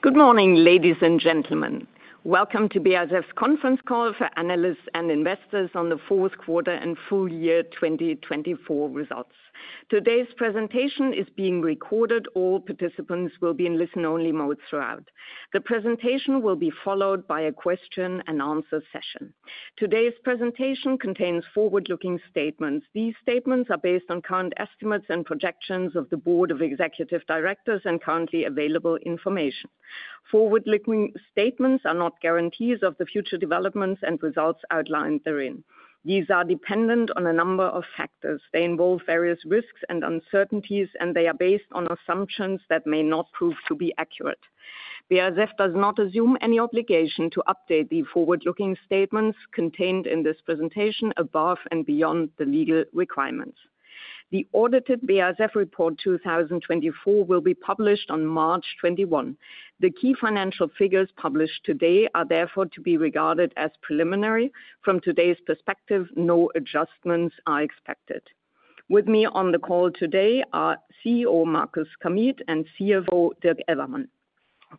Good morning, ladies and gentlemen. Welcome to BASF's conference call for analysts and investors on the Q4 and full year 2024 results. Today's presentation is being recorded. All participants will be in listen-only mode throughout. The presentation will be followed by a question-and-answer session. Today's presentation contains forward-looking statements. These statements are based on current estimates and projections of the Board of Executive Directors and currently available information. Forward-looking statements are not guarantees of the future developments and results outlined therein. These are dependent on a number of factors. They involve various risks and uncertainties, and they are based on assumptions that may not prove to be accurate. BASF does not assume any obligation to update the forward-looking statements contained in this presentation above and beyond the legal requirements. The audited BASF report 2024 will be published on March 21. The key financial figures published today are therefore to be regarded as preliminary. From today's perspective, no adjustments are expected. With me on the call today are CEO Markus Kamieth and CFO Dirk Elvermann.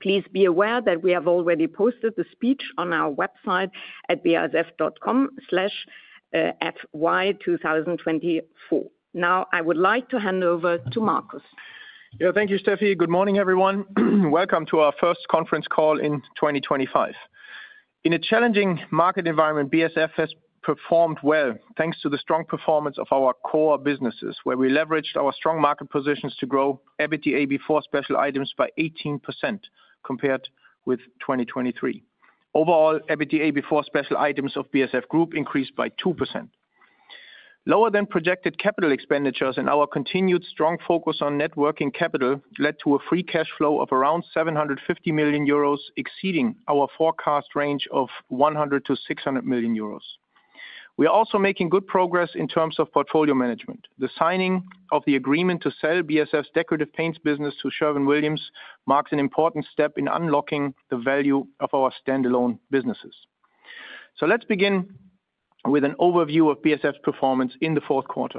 Please be aware that we have already posted the speech on our website at basf.com/fy2024. Now, I would like to hand over to Markus. Yeah, thank you, Steffi. Good morning, everyone. Welcome to our first conference call in 2025. In a challenging market environment, BASF has performed well thanks to the strong performance of our core businesses, where we leveraged our strong market positions to grow EBITDA before special items by 18% compared with 2023. Overall, EBITDA before special items of BASF Group increased by 2%. Lower than projected capital expenditures and our continued strong focus on working capital led to a free cash flow of around €750 million, exceeding our forecast range of €100 million-€600 million. We are also making good progress in terms of portfolio management. The signing of the agreement to sell BASF's Decorative Paints business to Sherwin-Williams marks an important step in unlocking the value of our standalone businesses. So let's begin with an overview of BASF's performance in the Q4.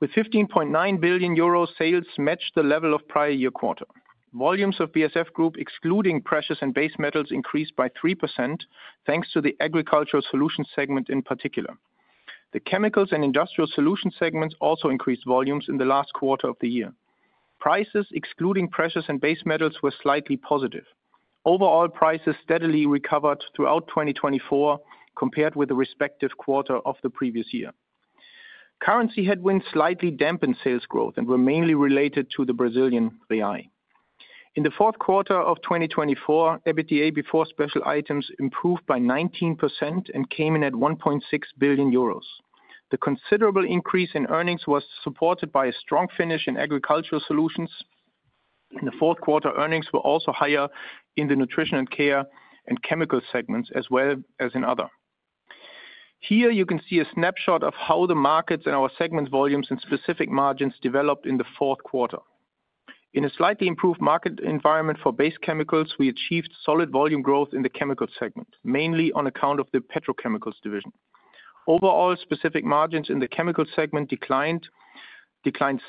With €15.9 billion, sales matched the level of prior year quarter. Volumes of BASF Group, excluding precious and base metals, increased by 3% thanks to the Agricultural Solutions segment in particular. The Chemicals and Industrial Solutions segments also increased volumes in the last quarter of the year. Prices, excluding precious and base metals, were slightly positive. Overall, prices steadily recovered throughout 2024 compared with the respective quarter of the previous year. Currency headwinds slightly dampened sales growth and were mainly related to the Brazilian real. In the Q4 of 2024, EBITDA before special items improved by 19% and came in at €1.6 billion. The considerable increase in earnings was supported by a strong finish in Agricultural Solutions. The Q4 earnings were also higher in the Nutrition and Care and Chemicals segments, as well as in Other. Here you can see a snapshot of how the markets and our segment volumes and specific margins developed in the Q4. In a slightly improved market environment for base Chemicals, we achieved solid volume growth in the Chemicals segment, mainly on account of the Petrochemicals division. Overall, specific margins in the Chemicals segment declined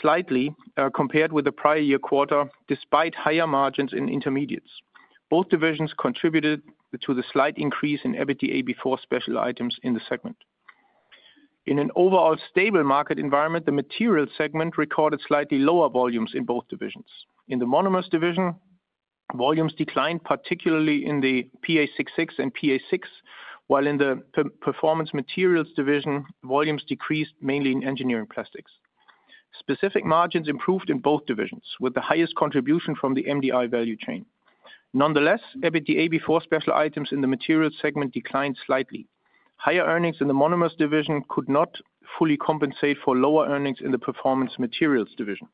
slightly compared with the prior year quarter, despite higher margins in Intermediates. Both divisions contributed to the slight increase in EBITDA before special items in the segment. In an overall stable market environment, the Materials segment recorded slightly lower volumes in both divisions. In the Monomers division, volumes declined, particularly in the PA66 and PA6, while in the Performance Materials division, volumes decreased, mainly in engineering plastics. Specific margins improved in both divisions, with the highest contribution from the MDI value chain. Nonetheless, EBITDA before special items in the Materials segment declined slightly. Higher earnings in the Monomers division could not fully compensate for lower earnings in the Performance Materials division.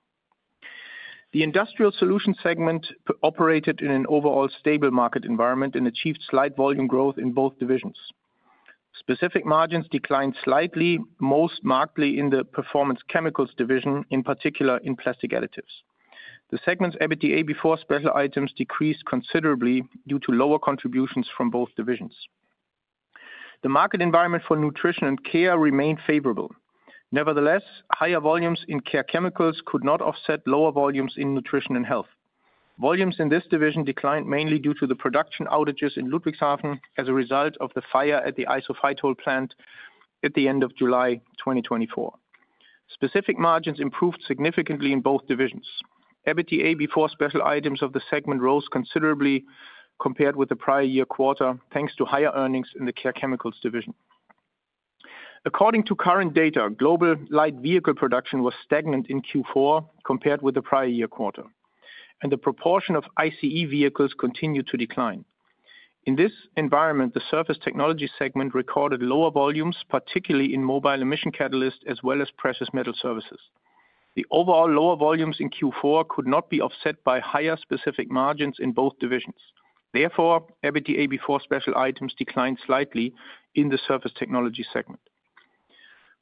The Industrial Solutions segment operated in an overall stable market environment and achieved slight volume growth in both divisions. Specific margins declined slightly, most markedly in the Performance Chemicals division, in particular in Plastic Additives. The segment's EBITDA before special items decreased considerably due to lower contributions from both divisions. The market environment for Nutrition & Care remained favorable. Nevertheless, higher volumes in Care Chemicals could not offset lower volumes in Nutrition and Health. Volumes in this division declined mainly due to the production outages in Ludwigshafen as a result of the fire at the Isophytol plant at the end of July 2024. Specific margins improved significantly in both divisions. EBITDA before special items of the segment rose considerably compared with the prior year quarter, thanks to higher earnings in the Care Chemicals division. According to current data, global light vehicle production was stagnant in Q4 compared with the prior year quarter, and the proportion of ICE vehicles continued to decline. In this environment, the Surface Technology segment recorded lower volumes, particularly in Mobile Emission Catalysts as well as precious metal services. The overall lower volumes in Q4 could not be offset by higher specific margins in both divisions. Therefore, EBITDA before special items declined slightly in the Surface Technology segment.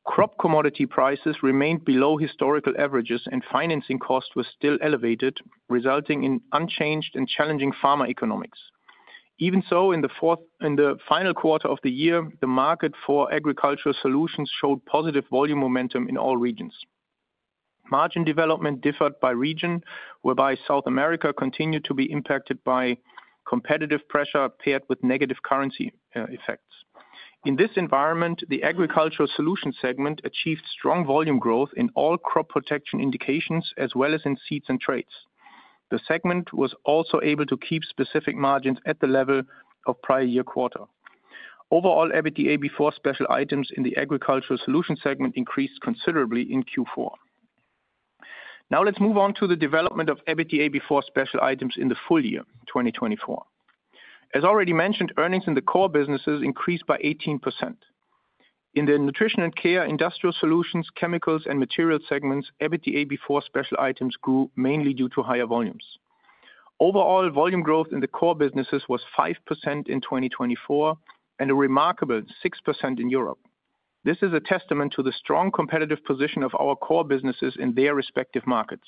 Crop commodity prices remained below historical averages, and financing costs were still elevated, resulting in unchanged and challenging farm economics. Even so, in the final quarter of the year, the market for agricultural solutions showed positive volume momentum in all regions. Margin development differed by region, whereby South America continued to be impacted by competitive pressure paired with negative currency effects. In this environment, the Agricultural Solutions segment achieved strong volume growth in all crop protection indications, as well as in Seeds & Traits. The segment was also able to keep specific margins at the level of prior year quarter. Overall, EBITDA before special items in the Agricultural Solutions segment increased considerably in Q4. Now let's move on to the development of EBITDA before special items in the full year 2024. As already mentioned, earnings in the core businesses increased by 18%. In the Nutrition & Care, Industrial Solutions, Chemicals, and Materials segments, EBITDA before special items grew mainly due to higher volumes. Overall, volume growth in the core businesses was 5% in 2024 and a remarkable 6% in Europe. This is a testament to the strong competitive position of our core businesses in their respective markets.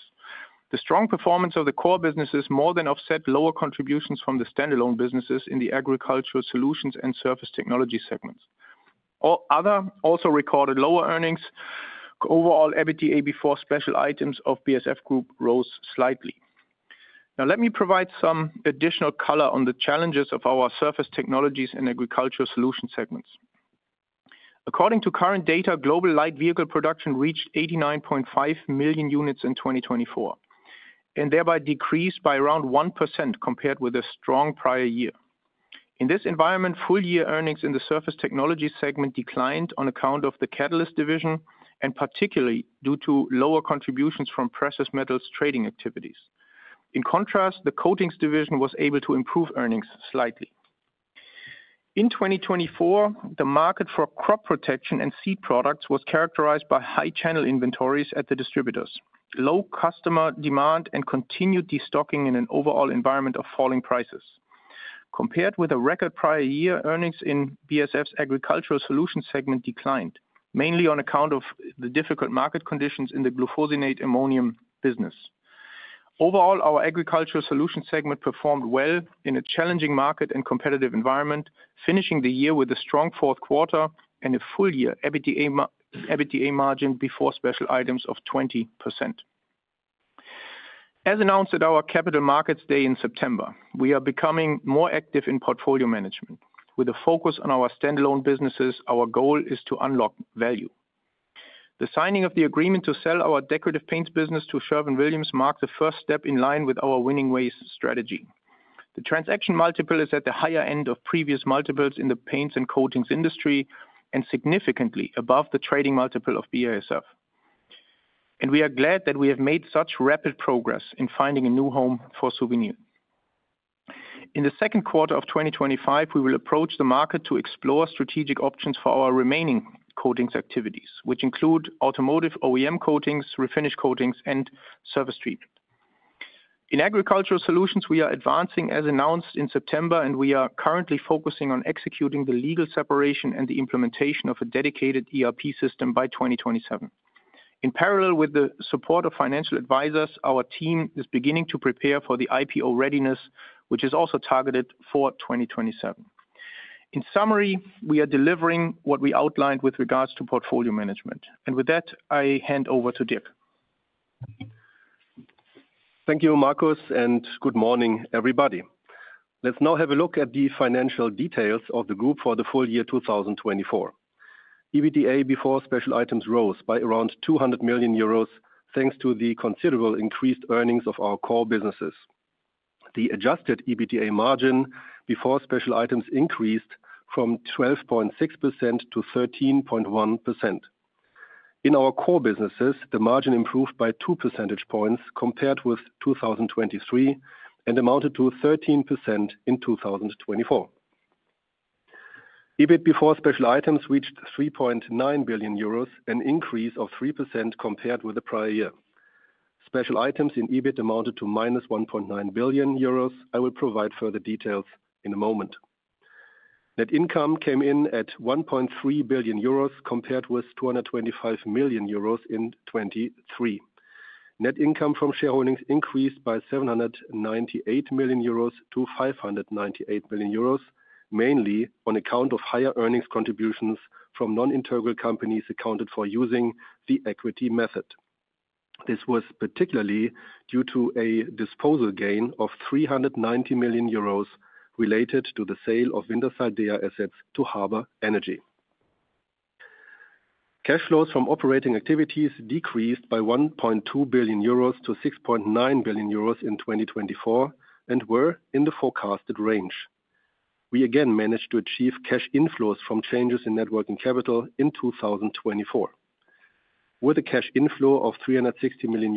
The strong performance of the core businesses more than offset lower contributions from the standalone businesses in the Agricultural Solutions and Surface Technologies segments. Other also recorded lower earnings. Overall, EBITDA before special items of BASF Group rose slightly. Now let me provide some additional color on the challenges of our Surface Technologies and Agricultural Solutions segments. According to current data, global light vehicle production reached 89.5 million units in 2024 and thereby decreased by around 1% compared with a strong prior year. In this environment, full year earnings in the Surface Technology segment declined on account of the Catalysts division and particularly due to lower contributions from precious metals trading activities. In contrast, the Coatings division was able to improve earnings slightly. In 2024, the market for crop protection and seed products was characterized by high channel inventories at the distributors, low customer demand, and continued destocking in an overall environment of falling prices. Compared with a record prior year, earnings in BASF's agricultural solutions segment declined, mainly on account of the difficult market conditions in the Glufosinate ammonium business. Overall, our agricultural solutions segment performed well in a challenging market and competitive environment, finishing the year with a strong Q4 and a full year EBITDA margin before special items of 20%. As announced at our Capital Markets Day in September, we are becoming more active in portfolio management. With a focus on our standalone businesses, our goal is to unlock value. The signing of the agreement to sell our decorative paints business to Sherwin-Williams marked the first step in line with our winning ways strategy. The transaction multiple is at the higher end of previous multiples in the paints and coatings industry and significantly above the trading multiple of BASF. We are glad that we have made such rapid progress in finding a new home for Suvinil. In the Q2 of 2025, we will approach the market to explore strategic options for our remaining coatings activities, which include Automotive OEM Coatings, Refinish Coatings, and Surface Treatment. In agricultural solutions, we are advancing as announced in September, and we are currently focusing on executing the legal separation and the implementation of a dedicated ERP system by 2027. In parallel with the support of financial advisors, our team is beginning to prepare for the IPO readiness, which is also targeted for 2027. In summary, we are delivering what we outlined with regards to portfolio management. With that, I hand over to Dirk. Thank you, Markus, and good morning, everybody. Let's now have a look at the financial details of the group for the full year 2024. EBITDA before special items rose by around €200 million thanks to the considerable increased earnings of our core businesses. The adjusted EBITDA margin before special items increased from 12.6% to 13.1%. In our core businesses, the margin improved by two percentage points compared with 2023 and amounted to 13% in 2024. EBIT before special items reached €3.9 billion, an increase of 3% compared with the prior year. Special items in EBIT amounted to €1.9 billion. I will provide further details in a moment. Net income came in at €1.3 billion compared with €225 million in 2023. Net income from shareholdings increased by €798 million-€598 million, mainly on account of higher earnings contributions from non-integral companies accounted for using the equity method. This was particularly due to a disposal gain of €390 million related to the sale of Wintershall Dea assets to Harbour Energy. Cash flows from operating activities decreased by €1.2 billion to €6.9 billion in 2024 and were in the forecasted range. We again managed to achieve cash inflows from changes in net working capital in 2024. With a cash inflow of €360 million,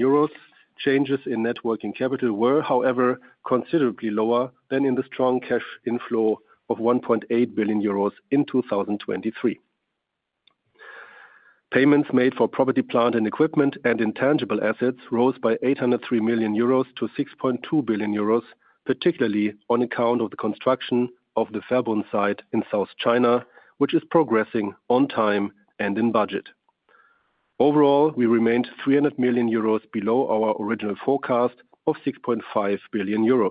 changes in net working capital were, however, considerably lower than in the strong cash inflow of €1.8 billion in 2023. Payments made for property, plant and equipment and intangible assets rose by €803 million to €6.2 billion, particularly on account of the construction of the Verbund site in South China, which is progressing on time and in budget. Overall, we remained €300 million below our original forecast of €6.5 billion.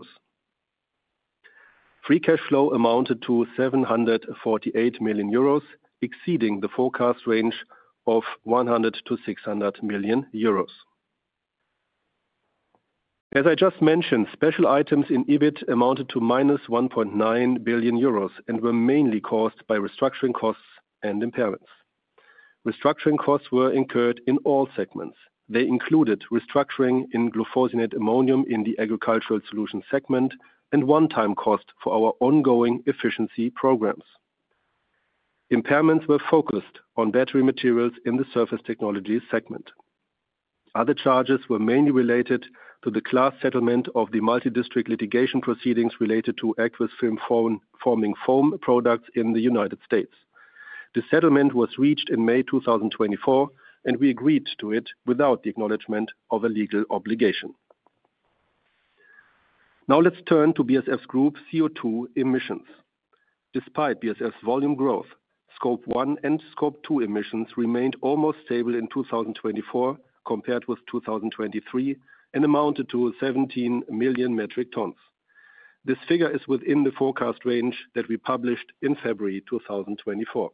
Free cash flow amounted to €748 million, exceeding the forecast range of €100 million-€600 million. As I just mentioned, special items in EBIT amounted to €1.9 billion and were mainly caused by restructuring costs and impairments. Restructuring costs were incurred in all segments. They included restructuring in glufosinate ammonium in the agricultural solutions segment and one-time cost for our ongoing efficiency programs. Impairments were focused on Battery Materials in the surface technology segment. Other charges were mainly related to the class settlement of the multi-district litigation proceedings related to Aqueous Film Forming Foam products in the United States. The settlement was reached in May 2024, and we agreed to it without the acknowledgment of a legal obligation. Now let's turn to BASF's group CO2 emissions. Despite BASF's volume growth, Scope 1 and Scope 2 emissions remained almost stable in 2024 compared with 2023 and amounted to 17 million metric tons. This figure is within the forecast range that we published in February 2024.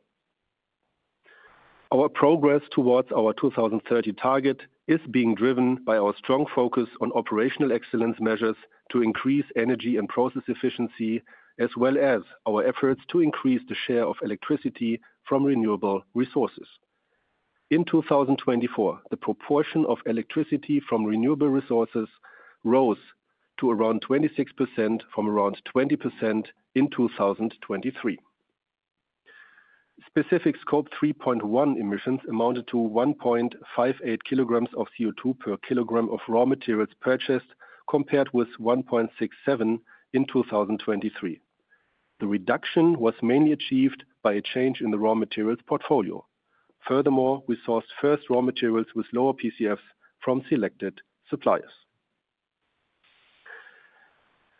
Our progress towards our 2030 target is being driven by our strong focus on operational excellence measures to increase energy and process efficiency, as well as our efforts to increase the share of electricity from renewable resources. In 2024, the proportion of electricity from renewable resources rose to around 26% from around 20% in 2023. Specific Scope 3.1 emissions amounted to 1.58 kilograms of CO2 per kilogram of raw materials purchased compared with 1.67 in 2023. The reduction was mainly achieved by a change in the raw materials portfolio. Furthermore, we sourced first raw materials with lower PCFs from selected suppliers.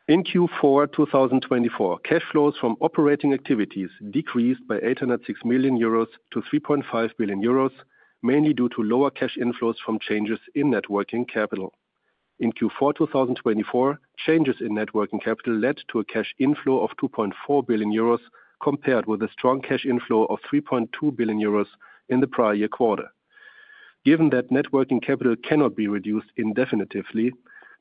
In Q4 2024, cash flows from operating activities decreased by € 806 million to € 3.5 billion, mainly due to lower cash inflows from changes in net working capital. In Q4 2024, changes in net working capital led to a cash inflow of €2.4 billion compared with a strong cash inflow of €3.2 billion in the prior year quarter. Given that net working capital cannot be reduced indefinitely,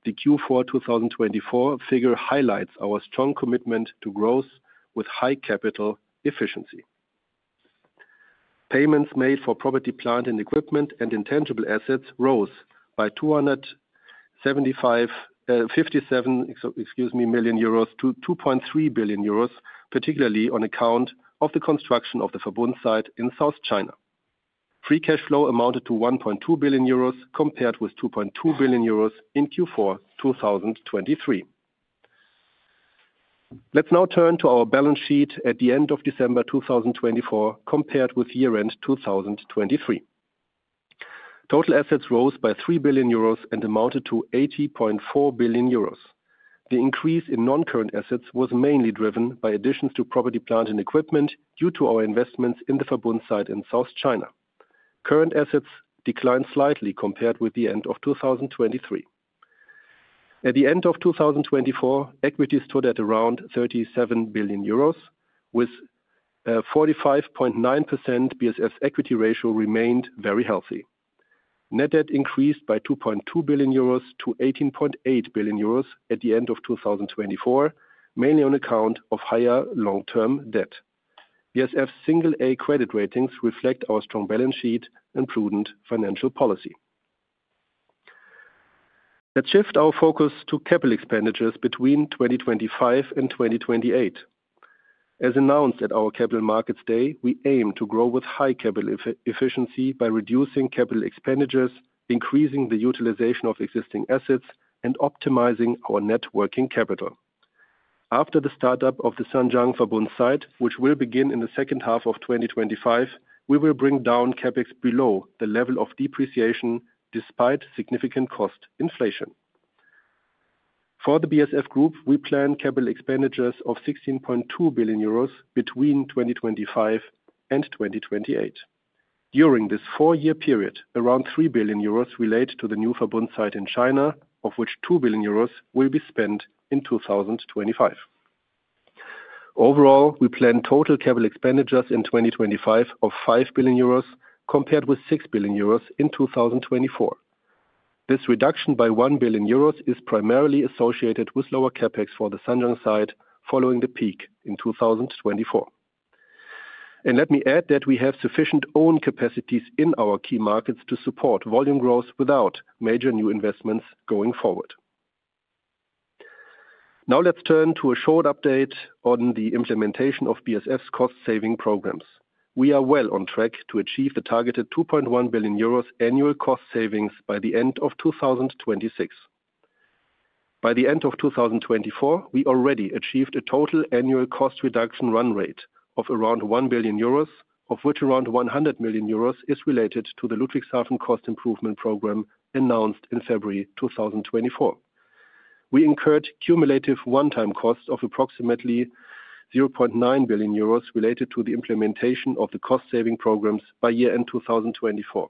the Q4 2024 figure highlights our strong commitment to growth with high capital efficiency. Payments made for property, plant and equipment and intangible assets rose by €275 million to €2.3 billion, particularly on account of the construction of the Zhanjiang site in South China. Free cash flow amounted to €1.2 billion compared with €2.2 billion in Q4 2023. Let's now turn to our balance sheet at the end of December 2024 compared with year-end 2023. Total assets rose by €3 billion and amounted to €80.4 billion. The increase in non-current assets was mainly driven by additions to property, plant and equipment due to our investments in the Zhanjiang site in South China. Current assets declined slightly compared with the end of 2023. At the end of 2024, equities stood at around €37 billion, with 45.9%. BASF's equity ratio remained very healthy. Net debt increased by €2.2 billion to €18.8 billion at the end of 2024, mainly on account of higher long-term debt. BASF's single-A credit ratings reflect our strong balance sheet and prudent financial policy. Let's shift our focus to capital expenditures between 2025 and 2028. As announced at our Capital Markets Day, we aim to grow with high capital efficiency by reducing capital expenditures, increasing the utilization of existing assets, and optimizing our net working capital. After the startup of the Zhanjiang Verbund site, which will begin in the second half of 2025, we will bring down CapEx below the level of depreciation despite significant cost inflation. For the BASF Group, we plan capital expenditures of €16.2 billion between 2025 and 2028. During this four-year period, around €3 billion relate to the new Verbund site in China, of which €2 billion will be spent in 2025. Overall, we plan total capital expenditures in 2025 of €5 billion compared with €6 billion in 2024. This reduction by €1 billion is primarily associated with lower CapEx for the Zhanjiang site following the peak in 2024. Let me add that we have sufficient own capacities in our key markets to support volume growth without major new investments going forward. Now let's turn to a short update on the implementation of BASF's cost-saving programs. We are well on track to achieve the targeted €2.1 billion annual cost savings by the end of 2026. By the end of 2024, we already achieved a total annual cost reduction run rate of around 1 billion euros, of which around 100 million euros is related to the Ludwigshafen cost improvement program announced in February 2024. We incurred cumulative one-time cost of approximately 0.9 billion euros related to the implementation of the cost-saving programs by year-end 2024.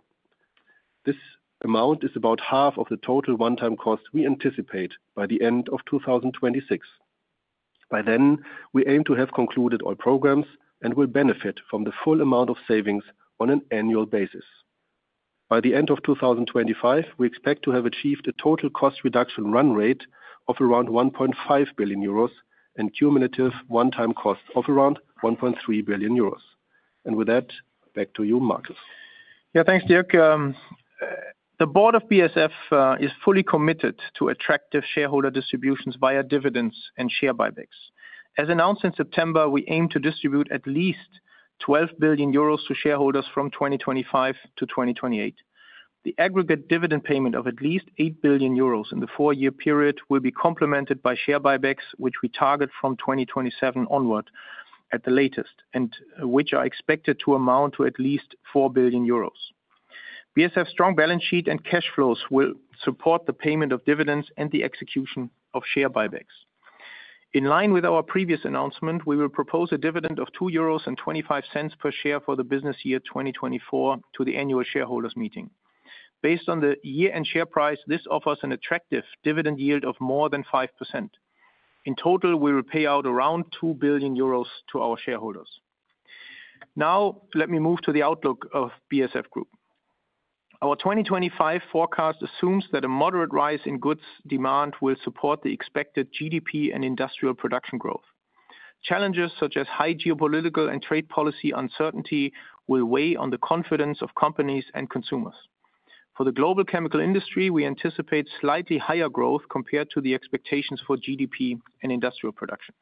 This amount is about half of the total one-time cost we anticipate by the end of 2026. By then, we aim to have concluded all programs and will benefit from the full amount of savings on an annual basis. By the end of 2025, we expect to have achieved a total cost reduction run rate of around 1.5 billion euros and cumulative one-time cost of around 1.3 billion euros. And with that, back to you, Markus. Yeah, thanks, Dirk. The board of BASF is fully committed to attractive shareholder distributions via dividends and share buybacks. As announced in September, we aim to distribute at least €12 billion to shareholders from 2025 to 2028. The aggregate dividend payment of at least €8 billion in the four-year period will be complemented by share buybacks, which we target from 2027 onward at the latest, and which are expected to amount to at least €4 billion. BASF's strong balance sheet and cash flows will support the payment of dividends and the execution of share buybacks. In line with our previous announcement, we will propose a dividend of €2.25 per share for the business year 2024 to the annual shareholders meeting. Based on the year-end share price, this offers an attractive dividend yield of more than 5%. In total, we will pay out around €2 billion to our shareholders. Now, let me move to the outlook of BASF Group. Our 2025 forecast assumes that a moderate rise in goods demand will support the expected GDP and industrial production growth. Challenges such as high geopolitical and trade policy uncertainty will weigh on the confidence of companies and consumers. For the global chemical industry, we anticipate slightly higher growth compared to the expectations for GDP and industrial production.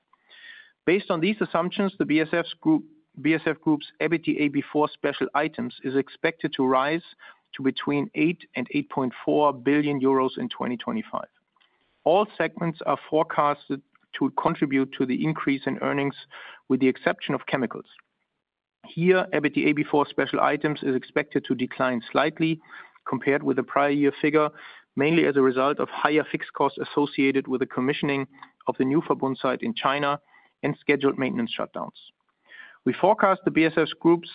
Based on these assumptions, the BASF Group's EBITDA before special items is expected to rise to between €8 and €8.4 billion in 2025. All segments are forecasted to contribute to the increase in earnings, with the exception of chemicals. Here, EBITDA before special items is expected to decline slightly compared with the prior year figure, mainly as a result of higher fixed costs associated with the commissioning of the new Verbund site in China and scheduled maintenance shutdowns. We forecast the BASF Group's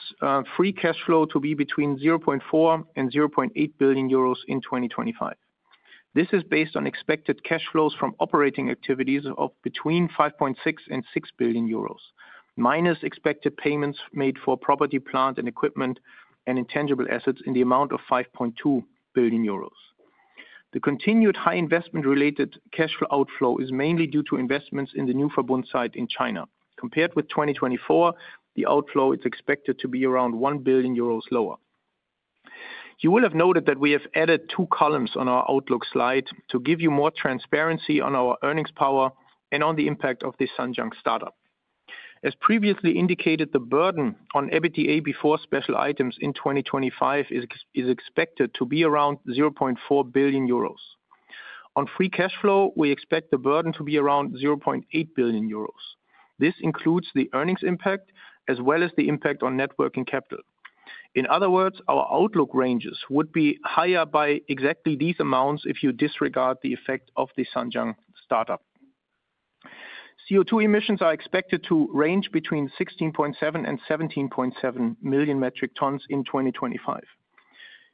free cash flow to be between €0.4 and €0.8 billion in 2025. This is based on expected cash flows from operating activities of between €5.6 and €6 billion, minus expected payments made for property plant and equipment and intangible assets in the amount of €5.2 billion. The continued high investment-related cash flow outflow is mainly due to investments in the new Verbund site in China. Compared with 2024, the outflow is expected to be around €1 billion lower. You will have noted that we have added two columns on our outlook slide to give you more transparency on our earnings power and on the impact of this Zhanjiang startup. As previously indicated, the burden on EBITDA before special items in 2025 is expected to be around €0.4 billion. On free cash flow, we expect the burden to be around €0.8 billion. This includes the earnings impact as well as the impact on net working capital. In other words, our outlook ranges would be higher by exactly these amounts if you disregard the effect of the Zhanjiang startup. CO2 emissions are expected to range between 16.7 and 17.7 million metric tons in 2025.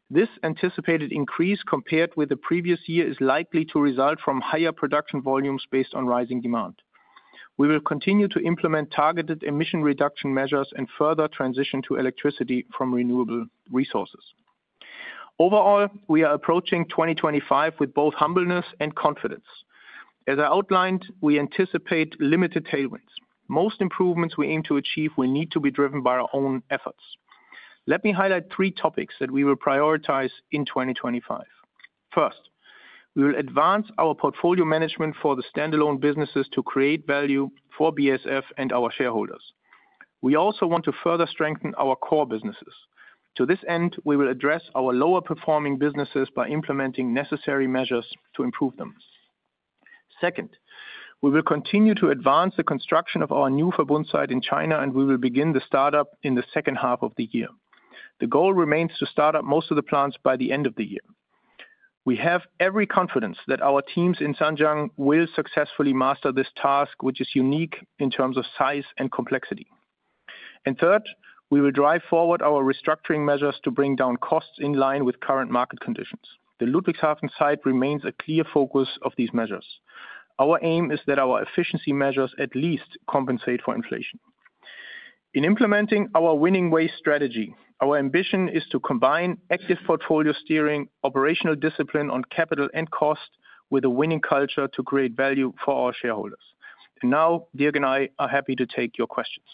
This anticipated increase compared with the previous year is likely to result from higher production volumes based on rising demand. We will continue to implement targeted emission reduction measures and further transition to electricity from renewable resources. Overall, we are approaching 2025 with both humbleness and confidence. As I outlined, we anticipate limited tailwinds. Most improvements we aim to achieve will need to be driven by our own efforts. Let me highlight three topics that we will prioritize in 2025. First, we will advance our portfolio management for the standalone businesses to create value for BASF and our shareholders. We also want to further strengthen our core businesses. To this end, we will address our lower-performing businesses by implementing necessary measures to improve them. Second, we will continue to advance the construction of our new Verbund site in China, and we will begin the startup in the second half of the year. The goal remains to start up most of the plants by the end of the year. We have every confidence that our teams in Zhanjiang will successfully master this task, which is unique in terms of size and complexity. And third, we will drive forward our restructuring measures to bring down costs in line with current market conditions. The Ludwigshafen site remains a clear focus of these measures. Our aim is that our efficiency measures at least compensate for inflation. In implementing our winning ways strategy, our ambition is to combine active portfolio steering, operational discipline on capital and cost with a winning culture to create value for our shareholders. And now, Dirk and I are happy to take your questions.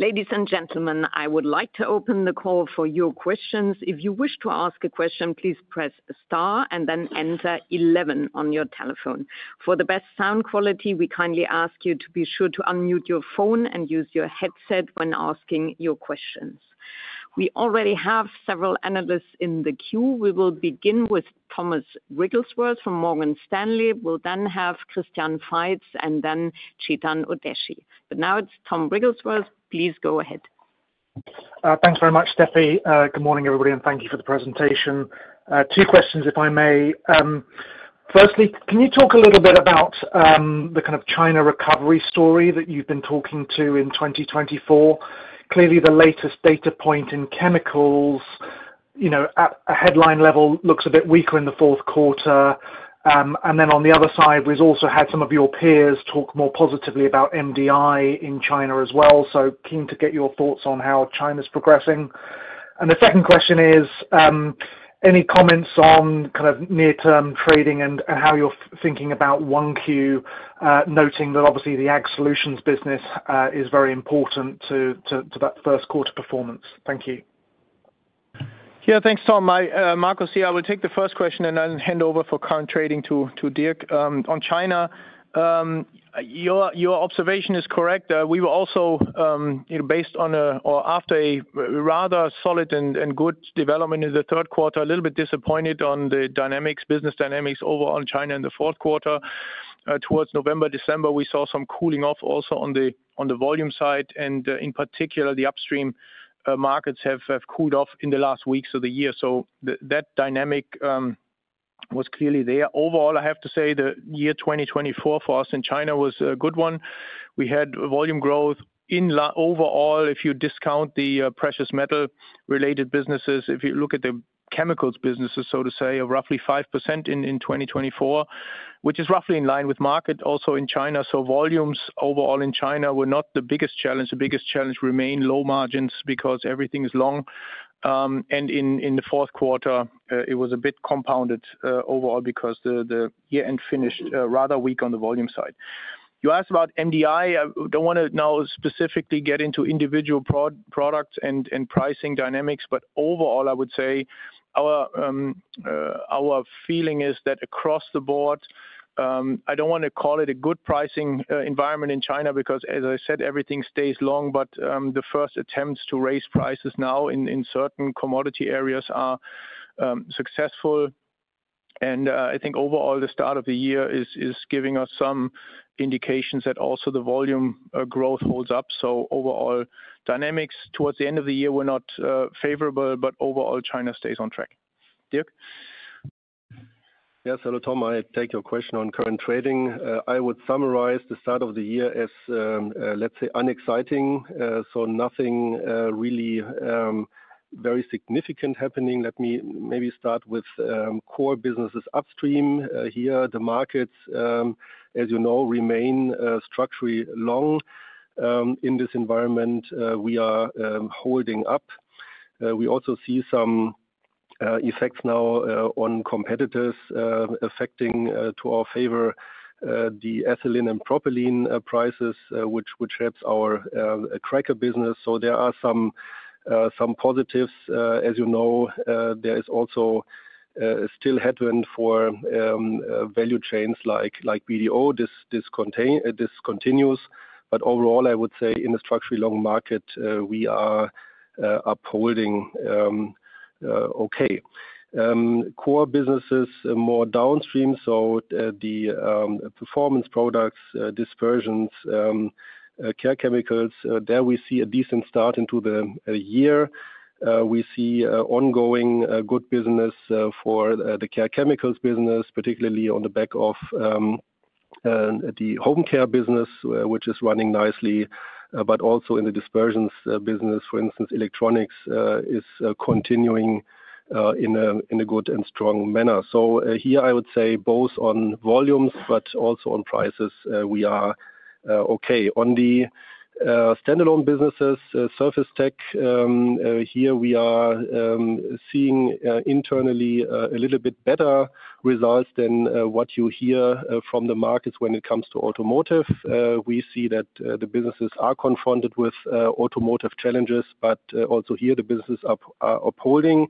Ladies and gentlemen, I would like to open the call for your questions. If you wish to ask a question, please press star and then enter 11 on your telephone. For the best sound quality, we kindly ask you to be sure to unmute your phone and use your headset when asking your questions. Clearly, the latest data point in chemicals, you know, at a headline level looks a bit weaker in the Q4. And then on the other side, we've also had some of your peers talk more positively about MDI in China as well. So keen to get your thoughts on how China's progressing. And the second question is, any comments on kind of near-term trading and how you're thinking about 1Q, noting that obviously the AG solutions business is very important to that first quarter performance? Thank you. Yeah, thanks, Tom. Markus, yeah, I will take the first question and then hand over for current trading to Dirk. On China, your observation is correct. We were also, you know, based on or after a rather solid and good development in the Q3, a little bit disappointed on the dynamics, business dynamics overall in China in the Q4. Towards November, December, we saw some cooling off also on the volume side, and in particular, the upstream markets have cooled off in the last weeks of the year. So that dynamic was clearly there. Overall, I have to say the year 2024 for us in China was a good one. We had volume growth in overall, if you discount the precious metal-related businesses, if you look at the chemicals businesses, so to say, of roughly 5% in 2024, which is roughly in line with market also in China. So volumes overall in China were not the biggest challenge. The biggest challenge remained low margins because everything is long. And in the Q4, it was a bit compounded overall because the year-end finished rather weak on the volume side. You asked about MDI. I don't want to now specifically get into individual products and pricing dynamics, but overall, I would say our feeling is that across the board, I don't want to call it a good pricing environment in China because, as I said, everything stays long, but the first attempts to raise prices now in certain commodity areas are successful. And I think overall, the start of the year is giving us some indications that also the volume growth holds up. So overall, dynamics towards the end of the year were not favorable, but overall, China stays on track. Dirk? Yes, hello, Tom. I take your question on current trading. I would summarize the start of the year as, let's say, unexciting. So nothing really very significant happening. Let me maybe start with core businesses upstream here. The markets, as you know, remain structurally long. In this environment, we are holding up. We also see some effects now on competitors affecting to our favor the ethylene and propylene prices, which helps our cracker business. So there are some positives. As you know, there is also still headwind for value chains like BDO, this continues. But overall, I would say in a structurally long market, we are upholding okay. Core businesses more downstream. So the performance products, dispersions, care chemicals, there we see a decent start into the year. We see ongoing good business for the care chemicals business, particularly on the back of the home care business, which is running nicely, but also in the dispersions business. For instance, electronics is continuing in a good and strong manner. So here, I would say both on volumes, but also on prices, we are okay. On the standalone businesses, surface tech, here we are seeing internally a little bit better results than what you hear from the markets when it comes to automotive. We see that the businesses are confronted with automotive challenges, but also here the businesses are upholding,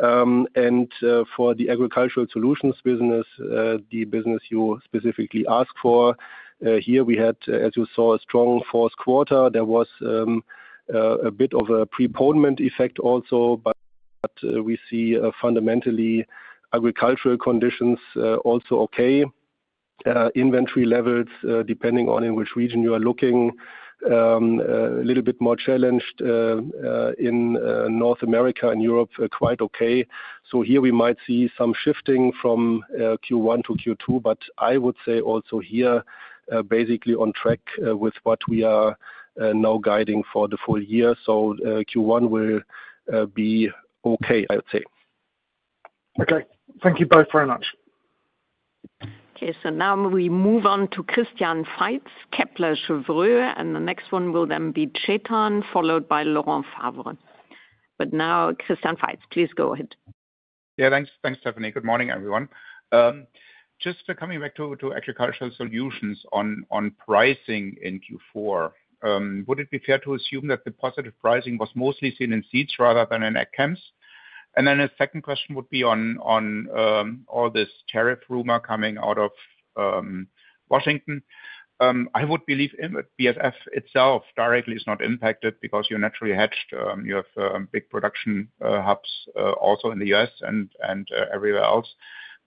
and for the agricultural solutions business, the business you specifically asked for, here we had, as you saw, a strong Q4. There was a bit of a preponement effect also, but we see fundamentally agricultural conditions also okay. Inventory levels, depending on in which region you are looking, a little bit more challenged in North America, and Europe quite okay. So here we might see some shifting from Q1 to Q2, but I would say also here basically on track with what we are now guiding for the full year. So Q1 will be okay, I would say. Okay, thank you both very much. Okay, so now we move on to Christian Faitz, Kepler Cheuvreux, and the next one will then be Chetan, followed by Laurent Favre. But now Christian Faitz, please go ahead. Yeah, thanks, Steffi. Good morning, everyone. Just coming back to Agricultural Solutions on pricing in Q4, would it be fair to assume that the positive pricing was mostly seen in seeds rather than in Ag Chems? And then a second question would be on all this tariff rumor coming out of Washington. I would believe BASF itself directly is not impacted because you're naturally hedged. You have big production hubs also in the U.S. and everywhere else.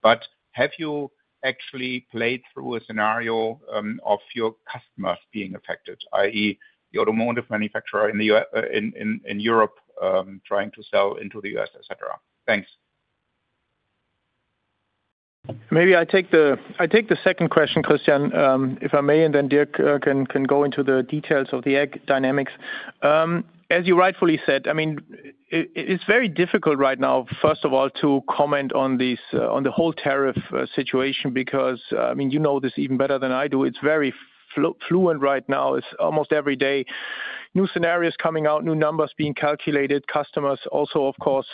But have you actually played through a scenario of your customers being affected, i.e., the automotive manufacturer in Europe trying to sell into the U.S., etc.? Thanks. Maybe I take the second question, Christian, if I may, and then Dirk can go into the details of the AG dynamics. As you rightfully said, I mean, it's very difficult right now, first of all, to comment on the whole tariff situation because, I mean, you know this even better than I do. It's very fluid right now. It's almost every day, new scenarios coming out, new numbers being calculated. Customers also, of course,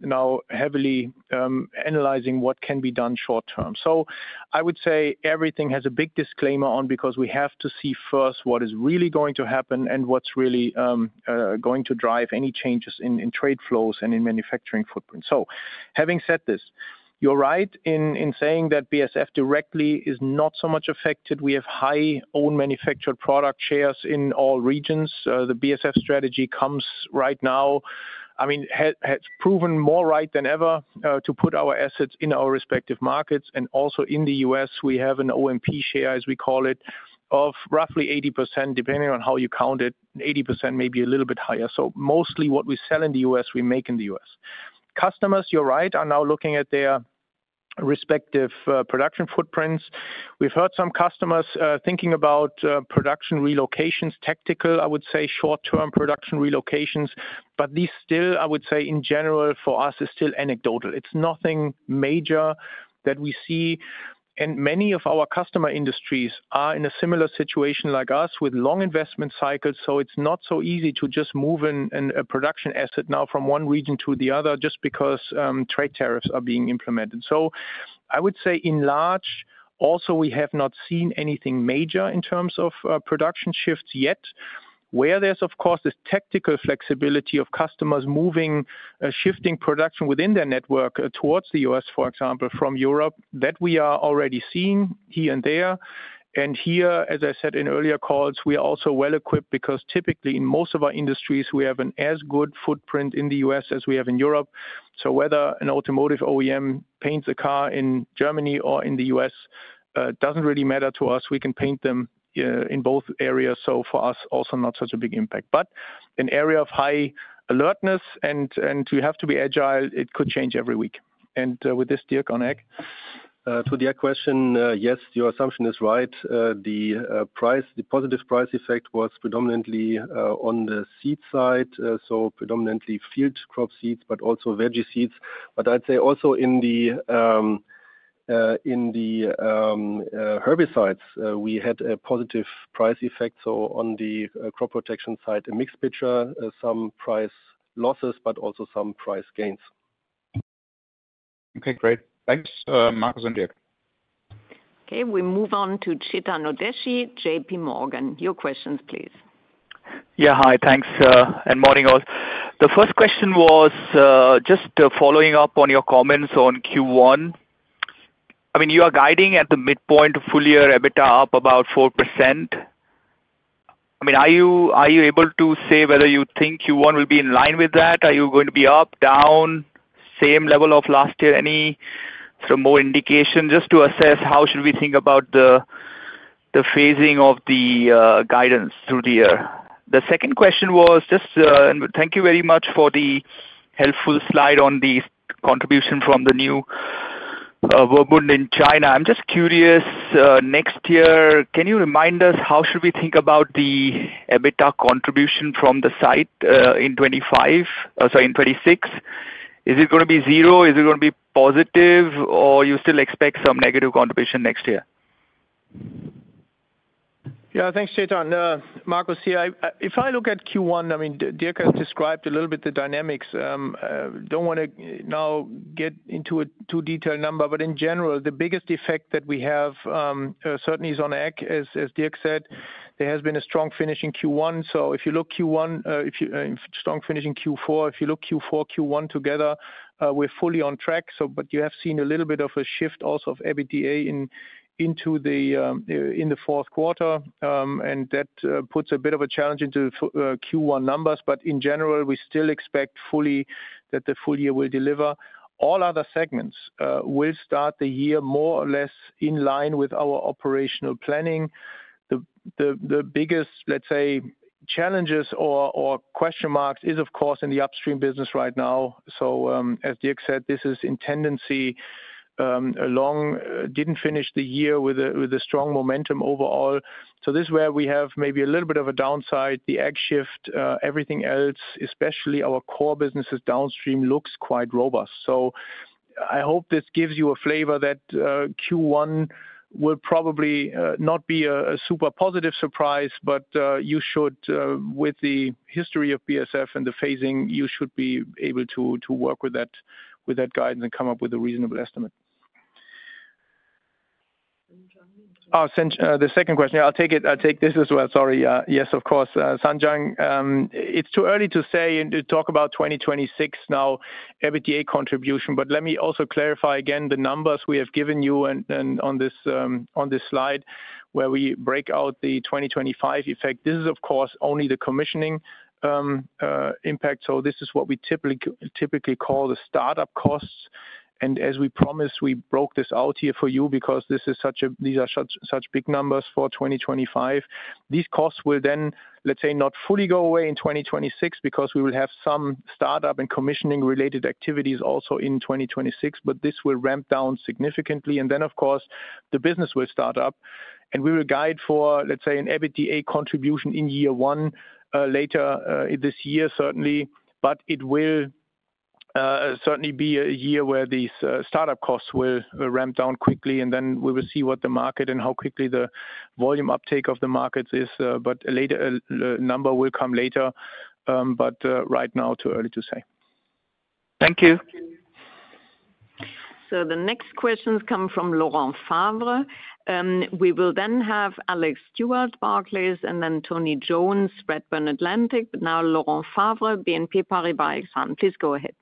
now heavily analyzing what can be done short-term. So I would say everything has a big disclaimer on because we have to see first what is really going to happen and what's really going to drive any changes in trade flows and in manufacturing footprints. So having said this, you're right in saying that BASF directly is not so much affected. We have high own manufactured product shares in all regions. The BASF strategy comes right now, I mean, has proven more right than ever to put our assets in our respective markets, and also in the U.S., we have an OMP share, as we call it, of roughly 80%, depending on how you count it, 80%, maybe a little bit higher, so mostly what we sell in the U.S., we make in the U.S. Customers, you're right, are now looking at their respective production footprints. We've heard some customers thinking about production relocations, tactical, I would say, short-term production relocations, but these still, I would say, in general, for us, is still anecdotal. It's nothing major that we see, and many of our customer industries are in a similar situation like us with long investment cycles. So it's not so easy to just move in a production asset now from one region to the other just because trade tariffs are being implemented. So I would say in large, also we have not seen anything major in terms of production shifts yet. Where there's, of course, this tactical flexibility of customers moving, shifting production within their network towards the U.S., for example, from Europe, that we are already seeing here and there. And here, as I said in earlier calls, we are also well equipped because typically in most of our industries, we have an as good footprint in the U.S. as we have in Europe. So whether an automotive OEM paints a car in Germany or in the U.S. doesn't really matter to us. We can paint them in both areas. So for us, also not such a big impact. But an area of high alertness and to have to be agile, it could change every week. And with this, Dirk, on AG. To the AG question, yes, your assumption is right. The positive price effect was predominantly on the seed side, so predominantly field crop seeds, but also veggie seeds. But I'd say also in the herbicides, we had a positive price effect. So on the crop protection side, a mixed picture, some price losses, but also some price gains. Okay, great. Thanks, Markus and Dirk. Okay, we move on to Chetan Udeshi, J.P. Morgan. Your questions, please. Yeah, hi, thanks and morning all. The first question was just following up on your comments on Q1. I mean, you are guiding at the midpoint of full year EBITDA up about 4%. I mean, are you able to say whether you think Q1 will be in line with that? Are you going to be up, down, same level of last year? Any sort of more indication just to assess how should we think about the phasing of the guidance through the year? The second question was just, and thank you very much for the helpful slide on the contribution from the new Verbund in China. I'm just curious, next year, can you remind us how should we think about the EBITDA contribution from the site in 2025, sorry, in 2026? Is it going to be zero? Is it going to be positive? Or you still expect some negative contribution next year? Yeah, thanks, Chetan. Markus, yeah, if I look at Q1, I mean, Dirk has described a little bit the dynamics. Don't want to now get into a too detailed number, but in general, the biggest effect that we have certainly is on AG, as Dirk said. There has been a strong finish in Q1. So if you look Q1, strong finish in Q4, if you look Q4, Q1 together, we're fully on track. But you have seen a little bit of a shift also of EBITDA into the Q4. And that puts a bit of a challenge into Q1 numbers. But in general, we still expect fully that the full year will deliver. All other segments will start the year more or less in line with our operational planning. The biggest, let's say, challenges or question marks is, of course, in the upstream business right now. So as Dirk said, this is in tendency along, didn't finish the year with a strong momentum overall. So this is where we have maybe a little bit of a downside. The AG shift, everything else, especially our core businesses downstream looks quite robust. So I hope this gives you a flavor that Q1 will probably not be a super positive surprise, but you should, with the history of BASF and the phasing, you should be able to work with that guidance and come up with a reasonable estimate. The second question, yeah, I'll take this as well. Sorry, yes, of course. Zhanjiang, it's too early to say and to talk about 2026 now, EBITDA contribution, but let me also clarify again the numbers we have given you on this slide where we break out the 2025 effect. This is, of course, only the commissioning impact. This is what we typically call the startup costs. And as we promised, we broke this out here for you because these are such big numbers for 2025. These costs will then, let's say, not fully go away in 2026 because we will have some startup and commissioning related activities also in 2026, but this will ramp down significantly. And then, of course, the business will start up. And we will guide for, let's say, an EBITDA contribution in year one later this year, certainly. But it will certainly be a year where these startup costs will ramp down quickly. And then we will see what the market and how quickly the volume uptake of the markets is. But a number will come later. But right now, too early to say. Thank you. So the next questions come from Laurent Favre. We will then have Alex Stewart, Barclays, and then Tony Jones, Redburn Atlantic, but now Laurent Favre, BNP Paribas Exane. Please go ahead.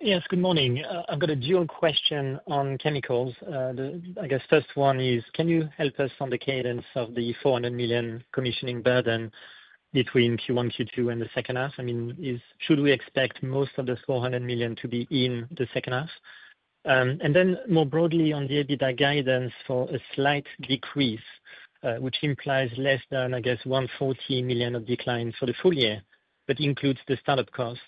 Yes, good morning. I've got a dual question on chemicals. I guess first one is, can you help us on the cadence of the 400 million commissioning burden between Q1, Q2 and the second half? I mean, should we expect most of the 400 million to be in the second half? And then more broadly on the EBITDA guidance for a slight decrease, which implies less than, I guess, 140 million of decline for the full year, but includes the startup costs.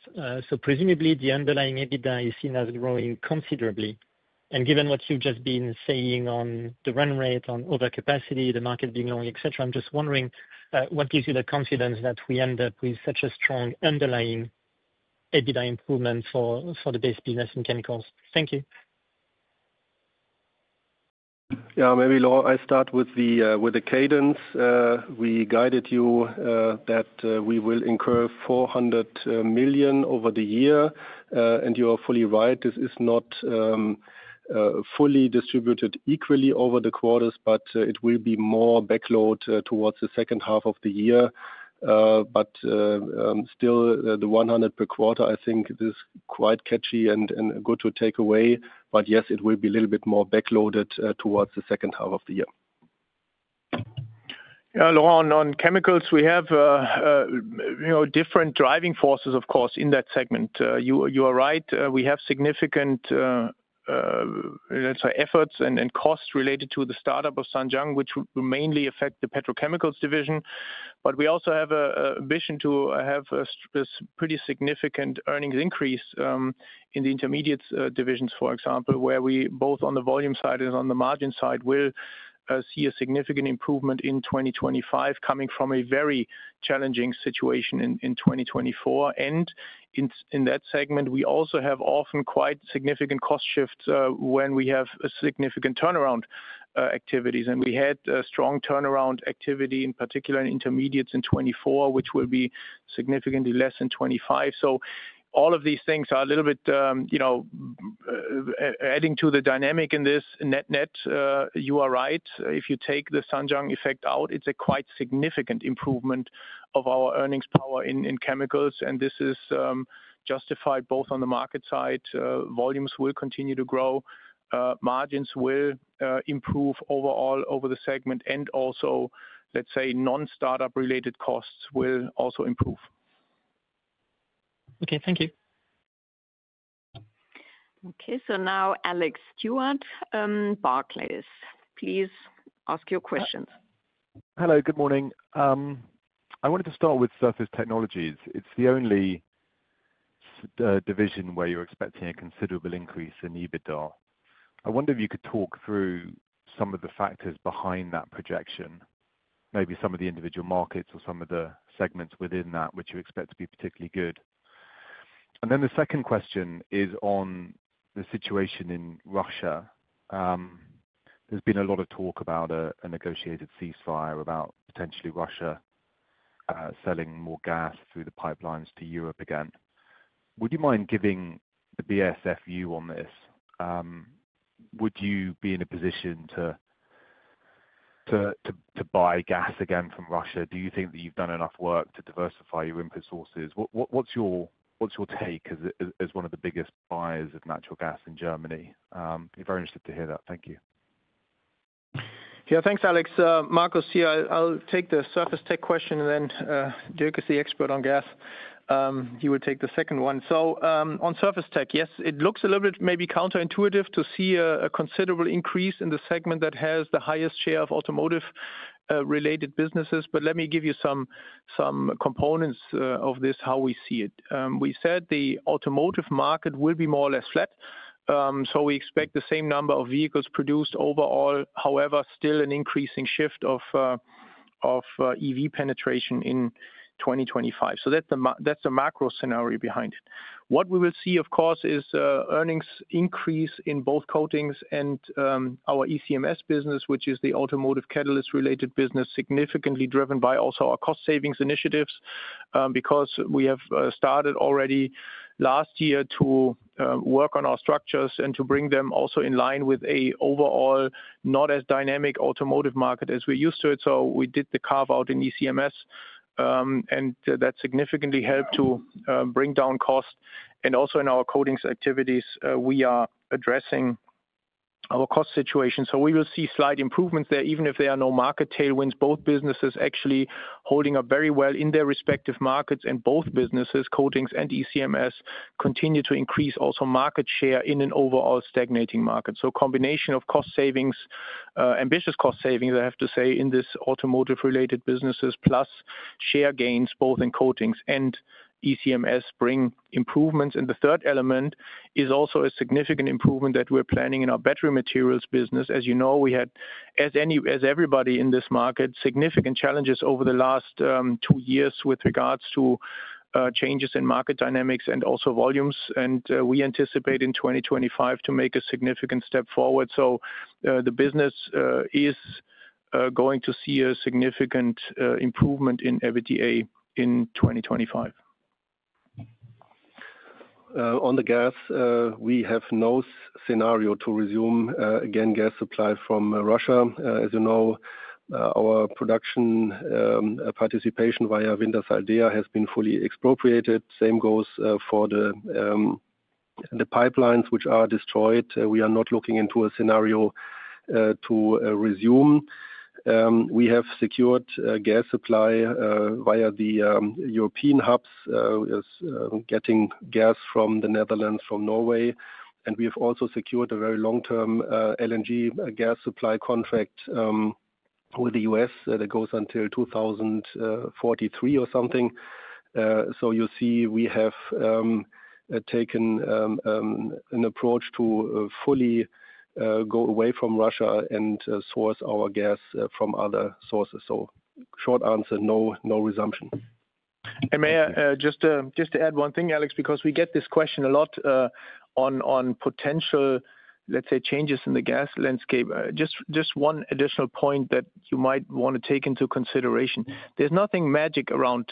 So presumably the underlying EBITDA is seen as growing considerably. And given what you've just been saying on the run rate on overcapacity, the market being long, etc., I'm just wondering what gives you the confidence that we end up with such a strong underlying EBITDA improvement for the base business in chemicals? Thank you. Yeah, maybe Laurent, I start with the cadence. We guided you that we will incur €400 million over the year. And you are fully right. This is not fully distributed equally over the quarters, but it will be more back-loaded towards the second half of the year. But still, the €100 million per quarter, I think this is quite catchy and good to take away. But yes, it will be a little bit more back-loaded towards the second half of the year. Yeah, Laurent, on chemicals, we have different driving forces, of course, in that segment. You are right. We have significant, let's say, efforts and costs related to the startup of Zhanjiang, which will mainly affect the petrochemicals division. But we also have a vision to have a pretty significant earnings increase in the intermediate divisions, for example, where we both on the volume side and on the margin side will see a significant improvement in 2025 coming from a very challenging situation in 2024. And in that segment, we also have often quite significant cost shifts when we have significant turnaround activities. And we had strong turnaround activity, in particular in intermediates in 2024, which will be significantly less in 2025. So all of these things are a little bit adding to the dynamic in this net-net. You are right. If you take the Zhanjiang effect out, it's a quite significant improvement of our earnings power in chemicals, and this is justified both on the market side. Volumes will continue to grow. Margins will improve overall over the segment, and also, let's say, non-startup related costs will also improve. Okay, thank you. Okay, so now Alex Stewart, Barclays. Please ask your questions. Hello, good morning. I wanted to start with Surface Technologies. It's the only division where you're expecting a considerable increase in EBITDA. I wonder if you could talk through some of the factors behind that projection, maybe some of the individual markets or some of the segments within that, which you expect to be particularly good, and then the second question is on the situation in Russia. There's been a lot of talk about a negotiated ceasefire, about potentially Russia selling more gas through the pipelines to Europe again. Would you mind giving the BASF view on this? Would you be in a position to buy gas again from Russia? Do you think that you've done enough work to diversify your input sources? What's your take as one of the biggest buyers of natural gas in Germany? I'd be very interested to hear that. Thank you. Yeah, thanks, Alex. Markus, yeah, I'll take the Surface Tech question and then Dirk is the expert on gas. He will take the second one. So on Surface Tech, yes, it looks a little bit maybe counterintuitive to see a considerable increase in the segment that has the highest share of automotive-related businesses. But let me give you some components of this, how we see it. We said the automotive market will be more or less flat. So we expect the same number of vehicles produced overall, however, still an increasing shift of EV penetration in 2025. So that's the macro scenario behind it. What we will see, of course, is earnings increase in both coatings and our ECMS business, which is the automotive catalyst-related business, significantly driven by also our cost savings initiatives because we have started already last year to work on our structures and to bring them also in line with an overall not as dynamic automotive market as we're used to, so we did the carve-out in ECMS, and that significantly helped to bring down cost, and also in our coatings activities, we are addressing our cost situation, so we will see slight improvements there, even if there are no market tailwinds. Both businesses actually holding up very well in their respective markets, and both businesses, coatings and ECMS, continue to increase also market share in an overall stagnating market. So combination of cost savings, ambitious cost savings, I have to say, in these automotive-related businesses, plus share gains both in coatings and ECMS bring improvements. And the third element is also a significant improvement that we're planning in our battery materials business. As you know, we had, as everybody in this market, significant challenges over the last two years with regards to changes in market dynamics and also volumes. And we anticipate in 2025 to make a significant step forward. So the business is going to see a significant improvement in EBITDA in 2025. On the gas, we have no scenario to resume again gas supply from Russia. As you know, our production participation via Wintershall Dea has been fully expropriated. Same goes for the pipelines which are destroyed. We are not looking into a scenario to resume. We have secured gas supply via the European hubs, getting gas from the Netherlands, from Norway. And we have also secured a very long-term LNG gas supply contract with the US that goes until 2043 or something. So you see we have taken an approach to fully go away from Russia and source our gas from other sources. So short answer, no resumption. May I just add one thing, Alex, because we get this question a lot on potential, let's say, changes in the gas landscape. Just one additional point that you might want to take into consideration. There's nothing magic around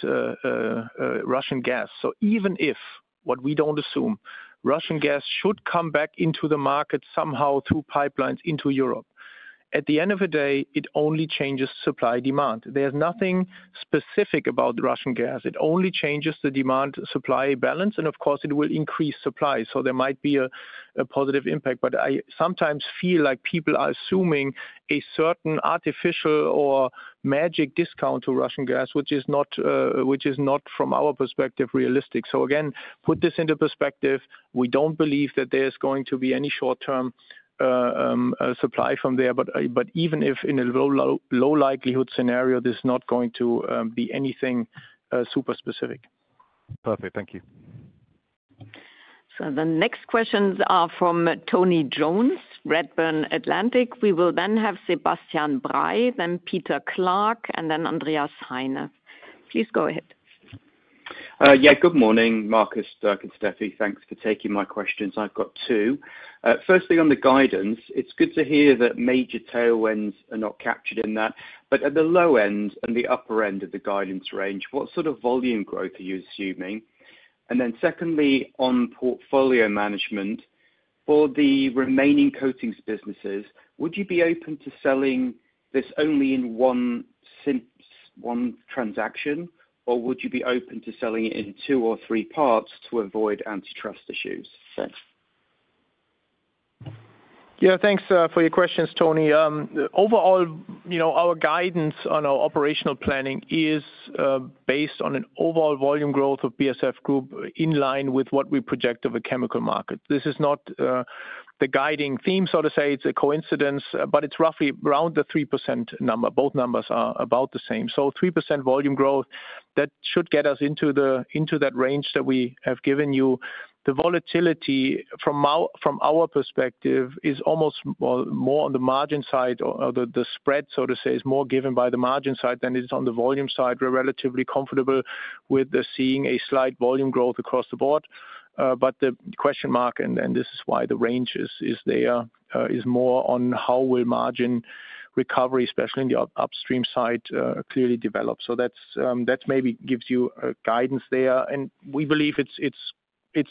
Russian gas. So even if, what we don't assume, Russian gas should come back into the market somehow through pipelines into Europe, at the end of the day, it only changes supply demand. There's nothing specific about Russian gas. It only changes the demand-supply balance. And of course, it will increase supply. So there might be a positive impact. But I sometimes feel like people are assuming a certain artificial or magic discount to Russian gas, which is not, from our perspective, realistic. So again, put this into perspective. We don't believe that there's going to be any short-term supply from there. But even if in a low likelihood scenario, this is not going to be anything super specific. Perfect. Thank you. The next questions are from Tony Jones, Redburn Atlantic. We will then have Sebastian Bray, then Peter Clark, and then Andreas Heine. Please go ahead. Yeah, good morning, Markus, Steffi. Thanks for taking my questions. I've got two. Firstly, on the guidance, it's good to hear that major tailwinds are not captured in that. But at the low end and the upper end of the guidance range, what sort of volume growth are you assuming? And then secondly, on portfolio management, for the remaining coatings businesses, would you be open to selling this only in one transaction, or would you be open to selling it in two or three parts to avoid antitrust issues? Yeah, thanks for your questions, Tony. Overall, our guidance on our operational planning is based on an overall volume growth of BASF Group in line with what we project of a chemical market. This is not the guiding theme, so to say. It's a coincidence, but it's roughly around the 3% number. Both numbers are about the same. So 3% volume growth, that should get us into that range that we have given you. The volatility, from our perspective, is almost more on the margin side. The spread, so to say, is more given by the margin side than it is on the volume side. We're relatively comfortable with seeing a slight volume growth across the board. But the question mark, and this is why the range is there, is more on how will margin recovery, especially on the upstream side, clearly develop. So that maybe gives you guidance there. And we believe it's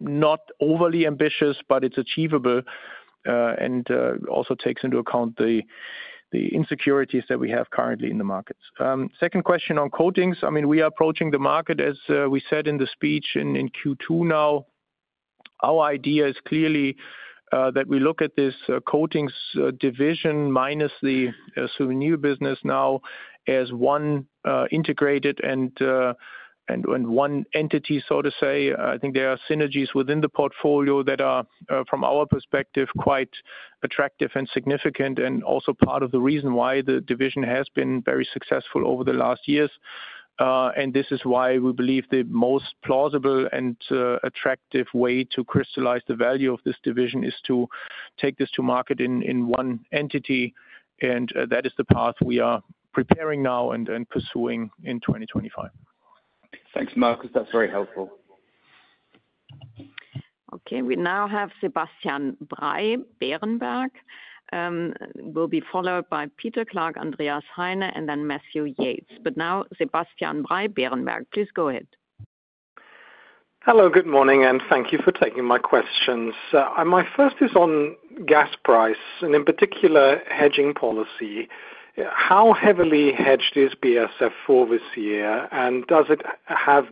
not overly ambitious, but it's achievable and also takes into account the insecurities that we have currently in the markets. Second question on coatings. I mean, we are approaching the market, as we said in the speech in Q2 now. Our idea is clearly that we look at this coatings division minus the Suvinil business now as one integrated and one entity, so to say. I think there are synergies within the portfolio that are, from our perspective, quite attractive and significant and also part of the reason why the division has been very successful over the last years. And this is why we believe the most plausible and attractive way to crystallize the value of this division is to take this to market in one entity. And that is the path we are preparing now and pursuing in 2025. Thanks, Markus. That's very helpful. Okay, we now have Sebastian Bray, Berenberg. Will be followed by Peter Clark, Andreas Heine, and then Matthew Yates. But now Sebastian Bray, Berenberg. Please go ahead. Hello, good morning, and thank you for taking my questions. My first is on gas price and in particular hedging policy. How heavily hedged is BASF for this year? And does it have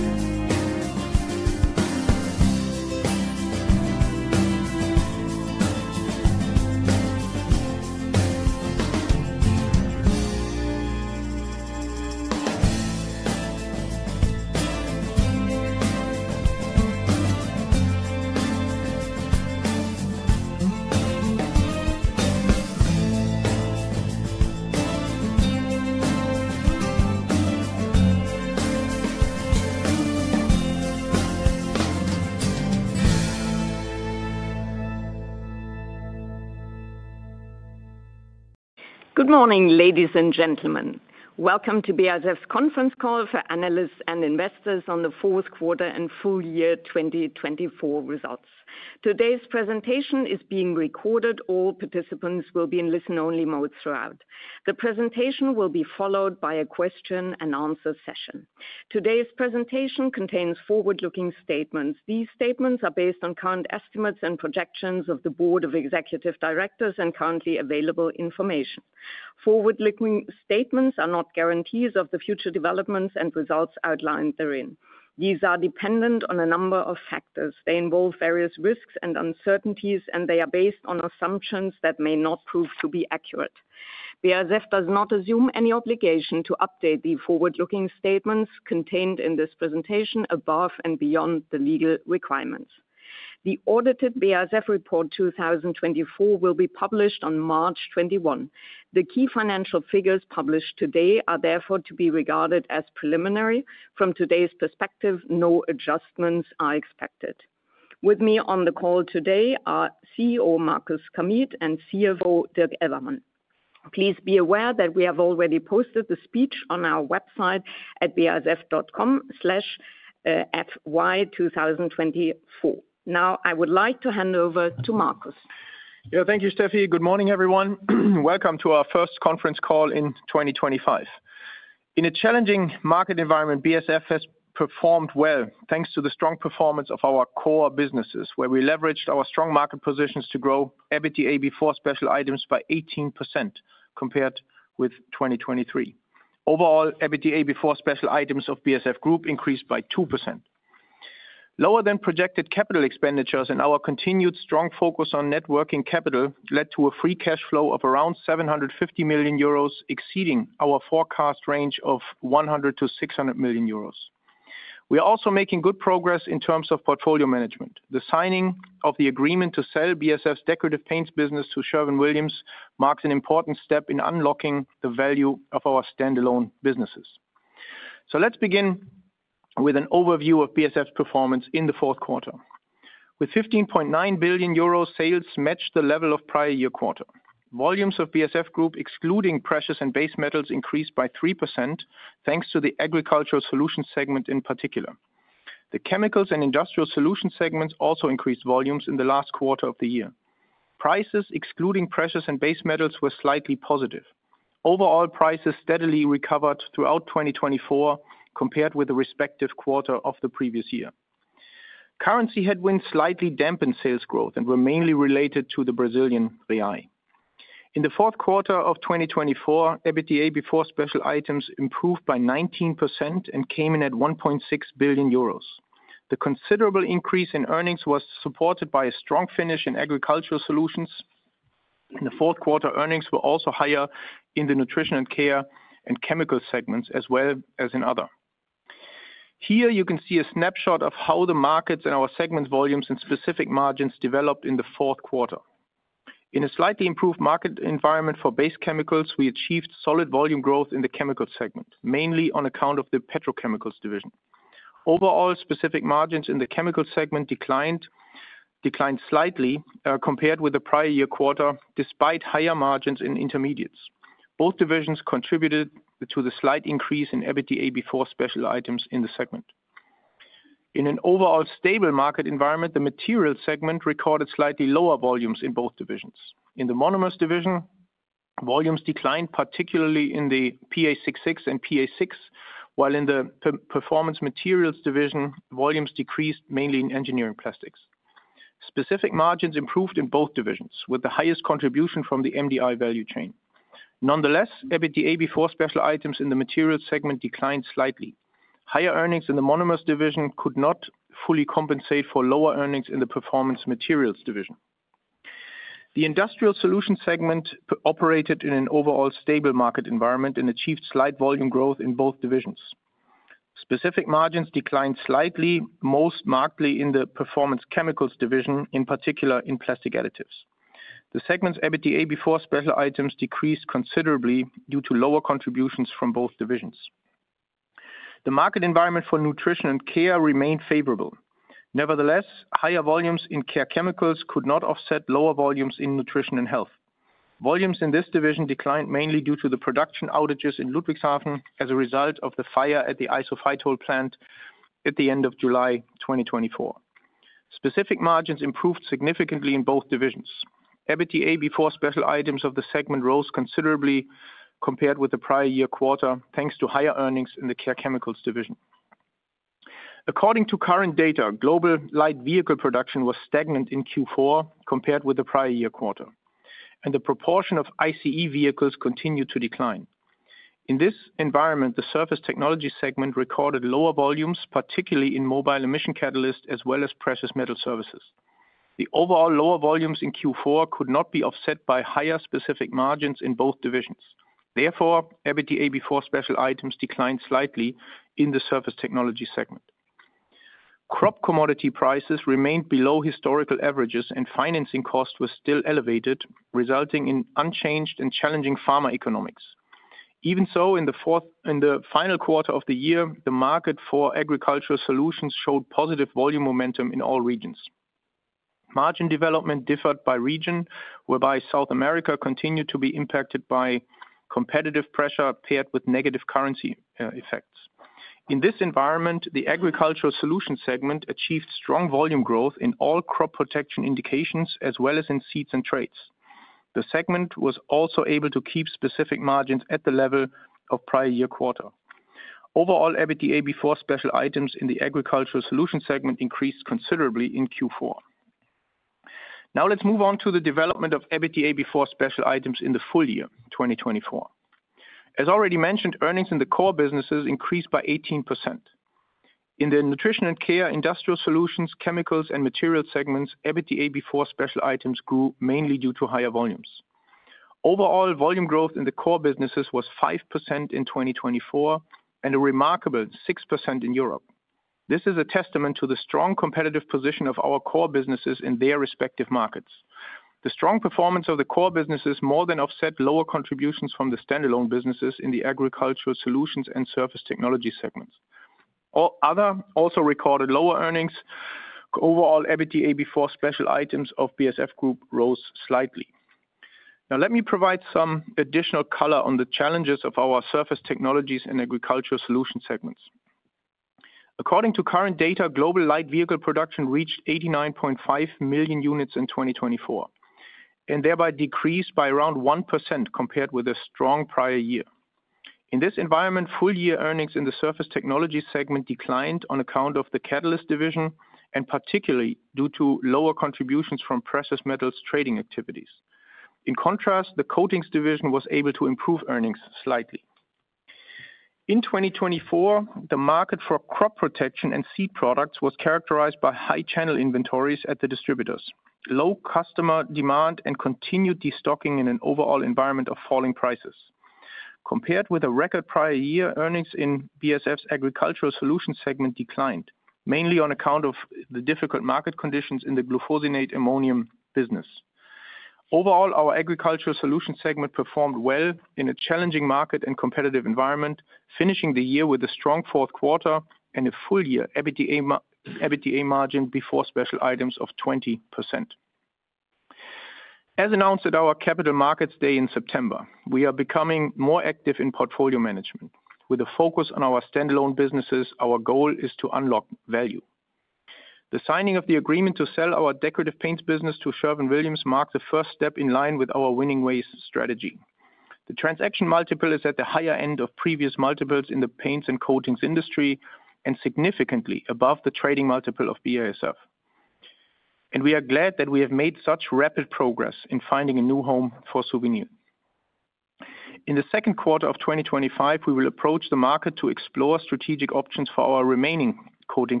built-in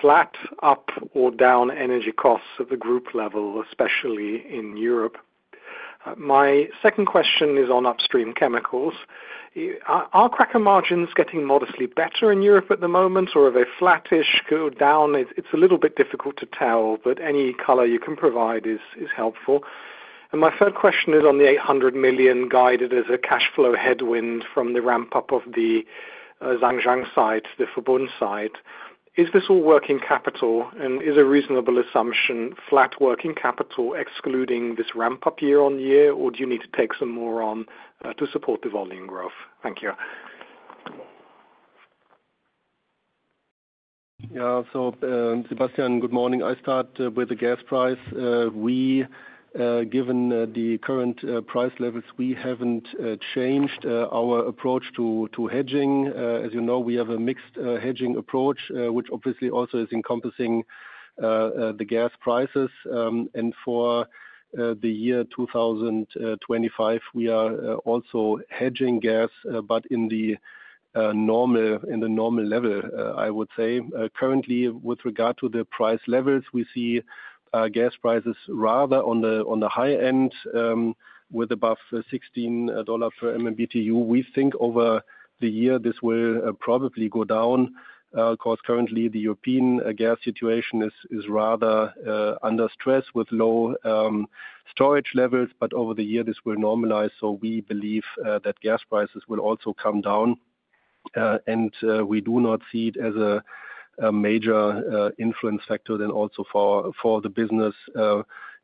flat up or down energy costs at the group level, especially in Europe? My second question is on upstream chemicals. Are cracker margins getting modestly better in Europe at the moment, or are they flattish, go down? It's a little bit difficult to tell, but any color you can provide is helpful. And my third question is on the €800 million guided as a cash flow headwind from the ramp-up of the Zhanjiang site, the Verbund site. Is this all working capital? And is a reasonable assumption flat working capital excluding this ramp-up year-on-year, or do you need to take some more on to support the volume growth? Thank you. Yeah, so Sebastian, good morning. I start with the gas price. Given the current price levels, we haven't changed our approach to hedging. As you know, we have a mixed hedging approach, which obviously also is encompassing the gas prices, and for the year 2025, we are also hedging gas, but in the normal level, I would say. Currently, with regard to the price levels, we see gas prices rather on the high end with above $16 per MMBTU. We think over the year this will probably go down. Of course, currently the European gas situation is rather under stress with low storage levels, but over the year this will normalize, so we believe that gas prices will also come down, and we do not see it as a major influence factor then also for the business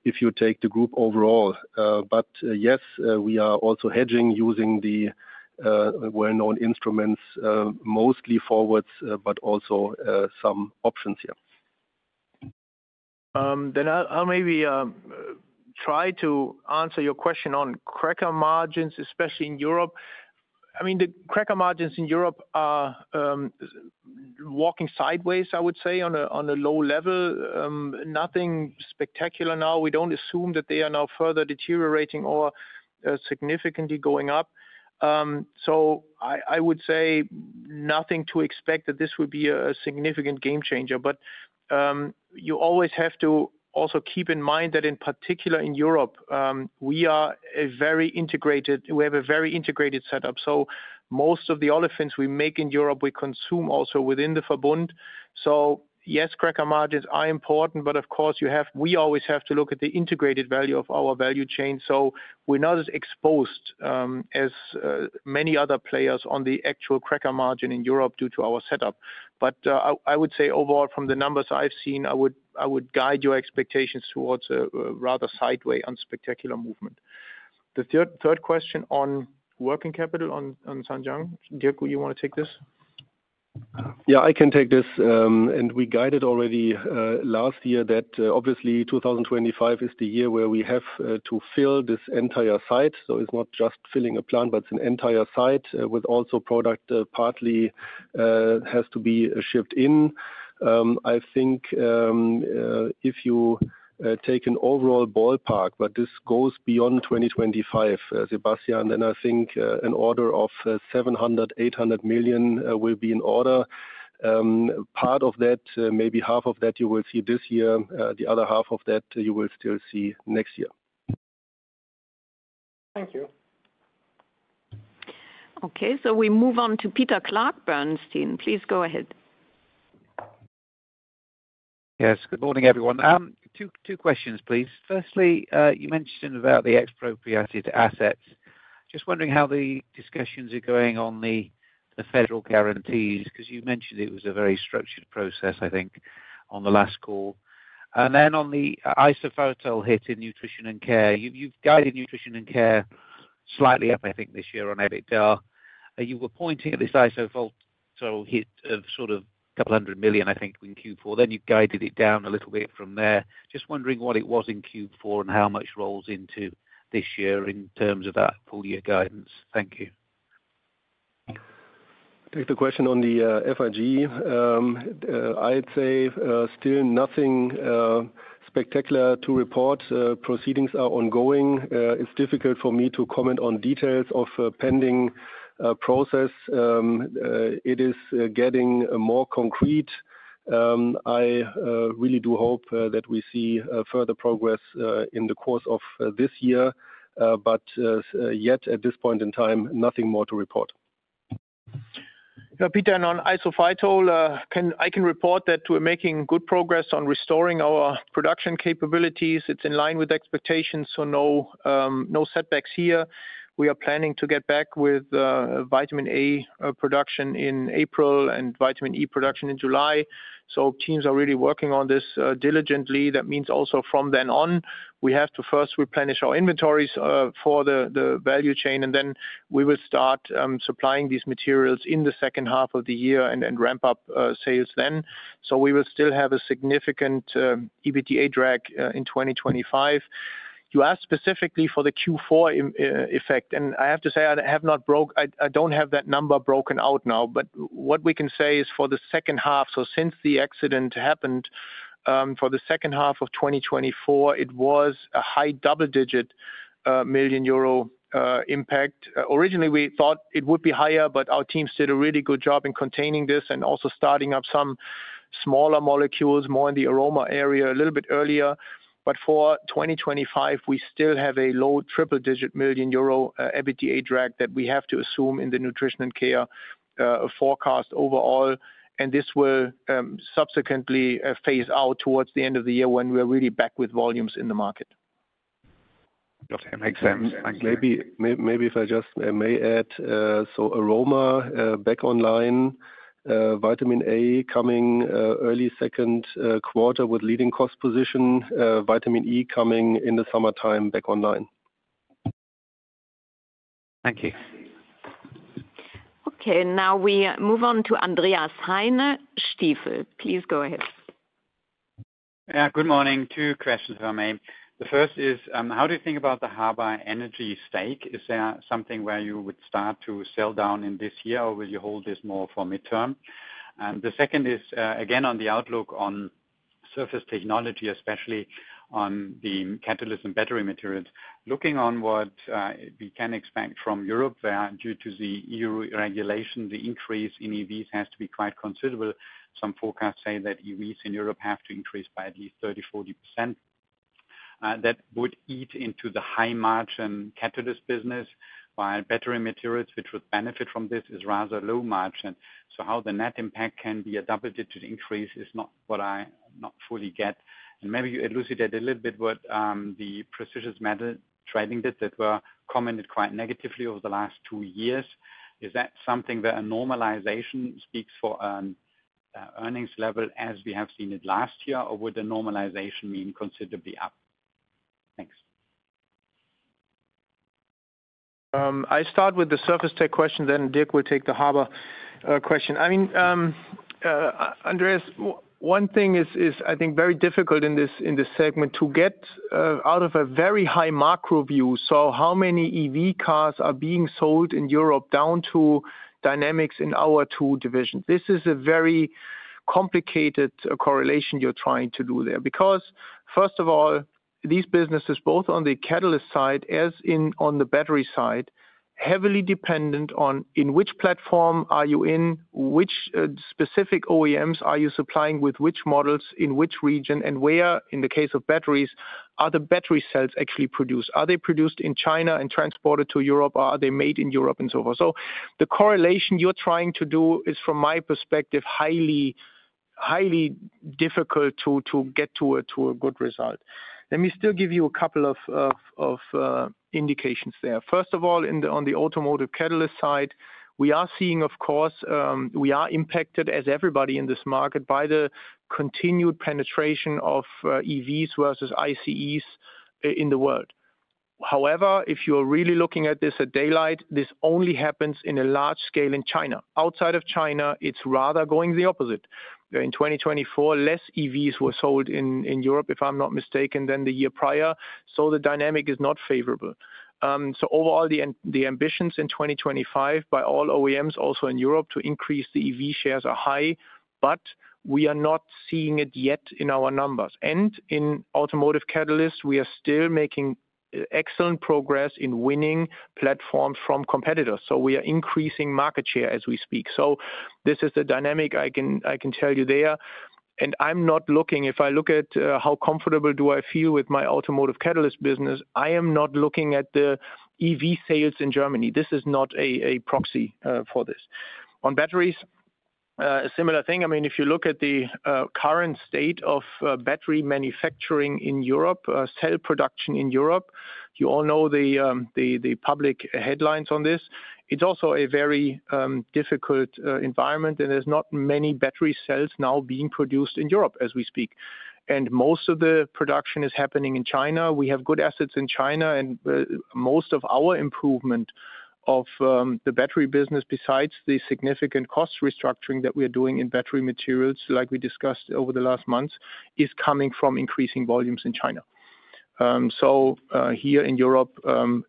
if you take the group overall. But yes, we are also hedging using the well-known instruments, mostly forwards, but also some options here. Then I'll maybe try to answer your question on cracker margins, especially in Europe. I mean, the cracker margins in Europe are walking sideways, I would say, on a low level. Nothing spectacular now. We don't assume that they are now further deteriorating or significantly going up. So I would say nothing to expect that this would be a significant game changer. But you always have to also keep in mind that in particular in Europe, we have a very integrated setup. So most of the olefins we make in Europe, we consume also within the Verbund. So yes, cracker margins are important, but of course, we always have to look at the integrated value of our value chain. So we're not as exposed as many other players on the actual cracker margin in Europe due to our setup. But I would say overall, from the numbers I've seen, I would guide your expectations towards a rather sideways unspectacular movement. The third question on working capital on Zhanjiang. Dirk, you want to take this? Yeah, I can take this, and we guided already last year that obviously 2025 is the year where we have to fill this entire site. So it's not just filling a plant, but it's an entire site with also product partly has to be shipped in. I think if you take an overall ballpark, but this goes beyond 2025, Sebastian, then I think an order of 700-800 million will be in order. Part of that, maybe half of that you will see this year. The other half of that you will still see next year. Thank you. Okay, so we move on to Peter Clark, Bernstein. Please go ahead. Yes, good morning, everyone. Two questions, please. Firstly, you mentioned about the expropriated assets. Just wondering how the discussions are going on the federal guarantees because you mentioned it was a very structured process, I think, on the last call. And then on the Isophytol hit in nutrition and care, you've guided nutrition and care slightly up, I think, this year on EBITDA. You were pointing at this Isophytol hit of sort of a couple hundred million, I think, in Q4. Then you guided it down a little bit from there. Just wondering what it was in Q4 and how much rolls into this year in terms of that full year guidance. Thank you. Thank you. The question on the FIG. I'd say still nothing spectacular to report. Proceedings are ongoing. It's difficult for me to comment on details of a pending process. It is getting more concrete. I really do hope that we see further progress in the course of this year. But yet, at this point in time, nothing more to report. Yeah, Peter, and on Isophytol, I can report that we're making good progress on restoring our production capabilities. It's in line with expectations. So no setbacks here. We are planning to get back with Vitamin A production in April and Vitamin E production in July. So teams are really working on this diligently. That means also from then on, we have to first replenish our inventories for the value chain, and then we will start supplying these materials in the second half of the year and ramp up sales then. So we will still have a significant EBITDA drag in 2025. You asked specifically for the Q4 effect, and I have to say I don't have that number broken out now, but what we can say is for the second half, so since the accident happened, for the second half of 2024, it was a high double-digit million EUR impact. Originally, we thought it would be higher, but our teams did a really good job in containing this and also starting up some smaller molecules, more in the aroma area a little bit earlier. But for 2025, we still have a low triple-digit million EUR EBITDA drag that we have to assume in the nutrition and care forecast overall. And this will subsequently phase out towards the end of the year when we're really back with volumes in the market. Okay, makes sense. Thank you. Maybe if I just may add, so aroma back online, Vitamin A coming early Q2 with leading cost position, Vitamin E coming in the summertime back online. Thank you. Okay, now we move on to Andreas Heine, Stifel. Please go ahead. Yeah, good morning. Two questions for me. The first is, how do you think about the Harbour Energy stake? Is there something where you would start to sell down in this year, or will you hold this more for midterm? And the second is, again, on the outlook on surface technology, especially on the catalyst and battery materials. Looking on what we can expect from Europe, where due to the EU regulation, the increase in EVs has to be quite considerable. Some forecasts say that EVs in Europe have to increase by at least 30%-40%. That would eat into the high-margin catalyst business, while battery materials, which would benefit from this, is rather low-margin. So how the net impact can be a double-digit increase is not what I not fully get. Maybe you elucidate a little bit what the precious metal trading did that were commented quite negatively over the last two years. Is that something where a normalization speaks for an earnings level as we have seen it last year, or would a normalization mean considerably up? Thanks. I start with the surface tech question, then Dirk will take the Harbour question. I mean, Andreas, one thing is, I think, very difficult in this segment to get out of a very high macro view. So how many EV cars are being sold in Europe down to dynamics in our two divisions? This is a very complicated correlation you're trying to do there because, first of all, these businesses, both on the catalyst side as in on the battery side, heavily dependent on in which platform are you in, which specific OEMs are you supplying with which models in which region, and where, in the case of batteries, are the battery cells actually produced? Are they produced in China and transported to Europe, or are they made in Europe and so forth? So the correlation you're trying to do is, from my perspective, highly difficult to get to a good result. Let me still give you a couple of indications there. First of all, on the automotive catalyst side, we are seeing, of course, we are impacted, as everybody in this market, by the continued penetration of EVs versus ICEs in the world. However, if you are really looking at this at daylight, this only happens in a large scale in China. Outside of China, it's rather going the opposite. In 2024, less EVs were sold in Europe, if I'm not mistaken, than the year prior. So the dynamic is not favorable. So overall, the ambitions in 2025 by all OEMs, also in Europe, to increase the EV shares are high, but we are not seeing it yet in our numbers. And in automotive catalysts, we are still making excellent progress in winning platforms from competitors. So we are increasing market share as we speak. So this is the dynamic I can tell you there. And I'm not looking, if I look at how comfortable do I feel with my automotive catalyst business, I am not looking at the EV sales in Germany. This is not a proxy for this. On batteries, a similar thing. I mean, if you look at the current state of battery manufacturing in Europe, cell production in Europe, you all know the public headlines on this. It's also a very difficult environment, and there's not many battery cells now being produced in Europe as we speak. And most of the production is happening in China. We have good assets in China, and most of our improvement of the battery business, besides the significant cost restructuring that we are doing in battery materials, like we discussed over the last months, is coming from increasing volumes in China. So here in Europe,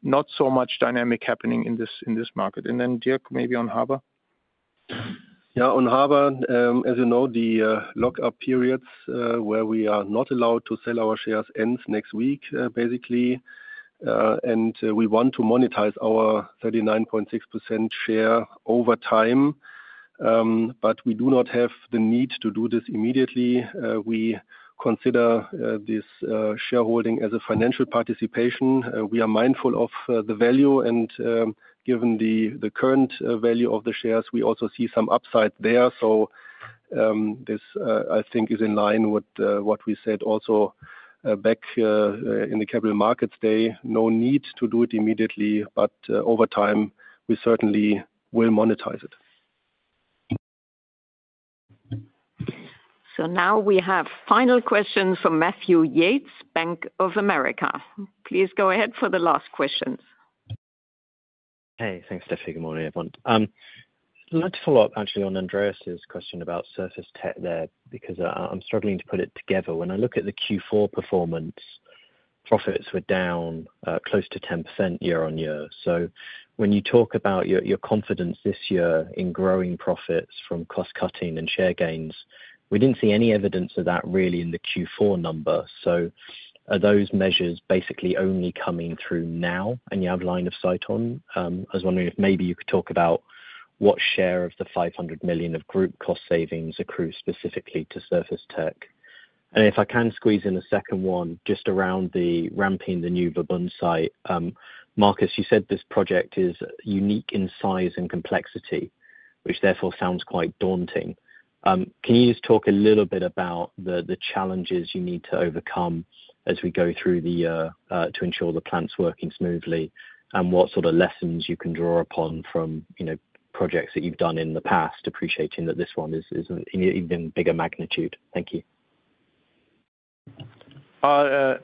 not so much dynamic happening in this market. And then, Dirk, maybe on Harbour. Yeah, on Harbour, as you know, the lockup periods where we are not allowed to sell our shares ends next week, basically. And we want to monetize our 39.6% share over time, but we do not have the need to do this immediately. We consider this shareholding as a financial participation. We are mindful of the value, and given the current value of the shares, we also see some upside there. So this, I think, is in line with what we said also back in the capital markets day, no need to do it immediately, but over time, we certainly will monetize it. Now we have final questions from Matthew Yates, Bank of America. Please go ahead for the last questions. Hey, thanks, Steffi. Good morning, everyone. I'd like to follow up actually on Andreas's question about surface tech there because I'm struggling to put it together. When I look at the Q4 performance, profits were down close to 10% year-on-year. So when you talk about your confidence this year in growing profits from cost cutting and share gains, we didn't see any evidence of that really in the Q4 number. So are those measures basically only coming through now and you have line of sight on? I was wondering if maybe you could talk about what share of the €500 million of group cost savings accrue specifically to surface tech. And if I can squeeze in a second one just around the ramping the new Verbund site. Markus, you said this project is unique in size and complexity, which therefore sounds quite daunting. Can you just talk a little bit about the challenges you need to overcome as we go through, to ensure the plant's working smoothly and what sort of lessons you can draw upon from projects that you've done in the past, appreciating that this one is even bigger magnitude? Thank you.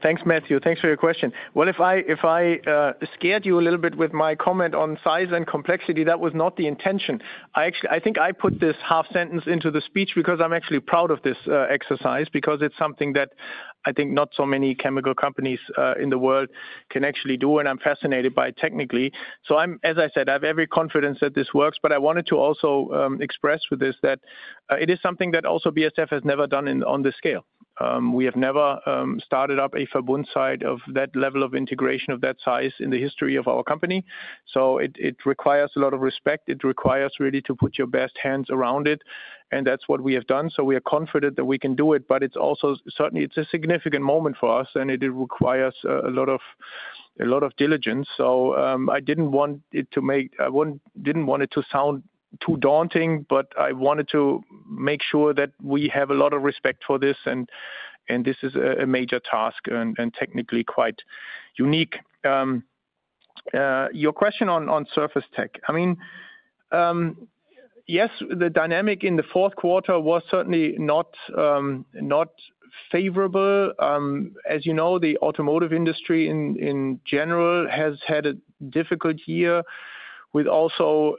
Thanks, Matthew. Thanks for your question. Well, if I scared you a little bit with my comment on size and complexity, that was not the intention. I think I put this half sentence into the speech because I'm actually proud of this exercise because it's something that I think not so many chemical companies in the world can actually do, and I'm fascinated by it technically. So as I said, I have every confidence that this works, but I wanted to also express with this that it is something that also BASF has never done on this scale. We have never started up a Verbund site of that level of integration of that size in the history of our company. So it requires a lot of respect. It requires really to put your best hands around it, and that's what we have done. We are confident that we can do it, but it's also certainly a significant moment for us, and it requires a lot of diligence. So I didn't want it to sound too daunting, but I wanted to make sure that we have a lot of respect for this, and this is a major task and technically quite unique. Your question on surface treatment, I mean, yes, the dynamic in the Q4 was certainly not favorable. As you know, the automotive industry in general has had a difficult year with also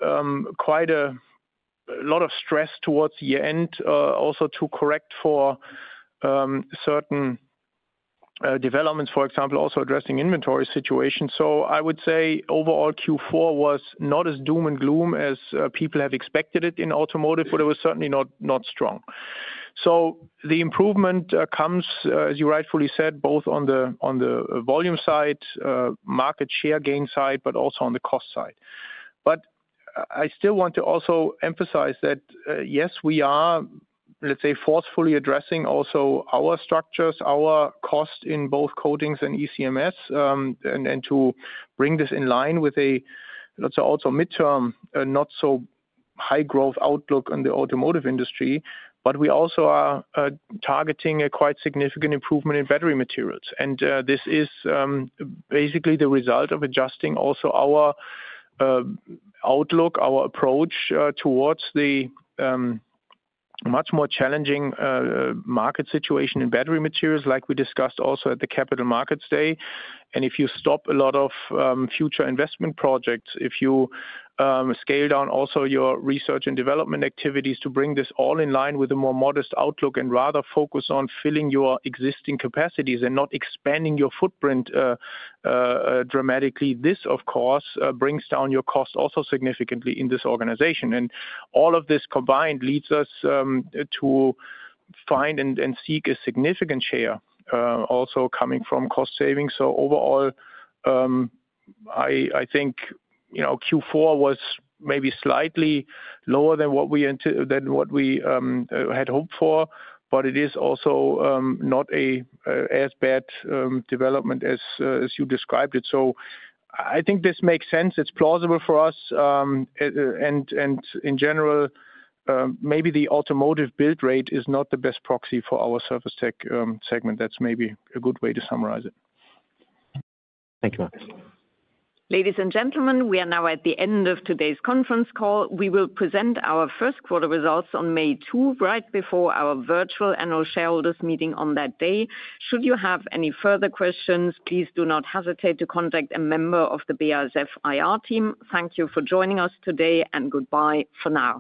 quite a lot of stress towards the end, also to correct for certain developments, for example, also addressing inventory situations. So I would say overall Q4 was not as doom and gloom as people have expected it in automotive, but it was certainly not strong. So the improvement comes, as you rightfully said, both on the volume side, market share gain side, but also on the cost side. But I still want to also emphasize that, yes, we are, let's say, forcefully addressing also our structures, our cost in both coatings and ECMS, and to bring this in line with a also midterm, not so high growth outlook in the automotive industry, but we also are targeting a quite significant improvement in battery materials. And this is basically the result of adjusting also our outlook, our approach towards the much more challenging market situation in battery materials, like we discussed also at the Capital Markets Day. And if you stop a lot of future investment projects, if you scale down also your research and development activities to bring this all in line with a more modest outlook and rather focus on filling your existing capacities and not expanding your footprint dramatically, this, of course, brings down your cost also significantly in this organization. And all of this combined leads us to find and seek a significant share also coming from cost savings. So overall, I think Q4 was maybe slightly lower than what we had hoped for, but it is also not as bad development as you described it. So I think this makes sense. It's plausible for us. And in general, maybe the automotive build rate is not the best proxy for our surface tech segment. That's maybe a good way to summarize it. Thank you, Markus. Ladies and gentlemen, we are now at the end of today's conference call. We will present our first quarter results on May 2, right before our virtual annual shareholders meeting on that day. Should you have any further questions, please do not hesitate to contact a member of the BASF IR team. Thank you for joining us today, and goodbye for now.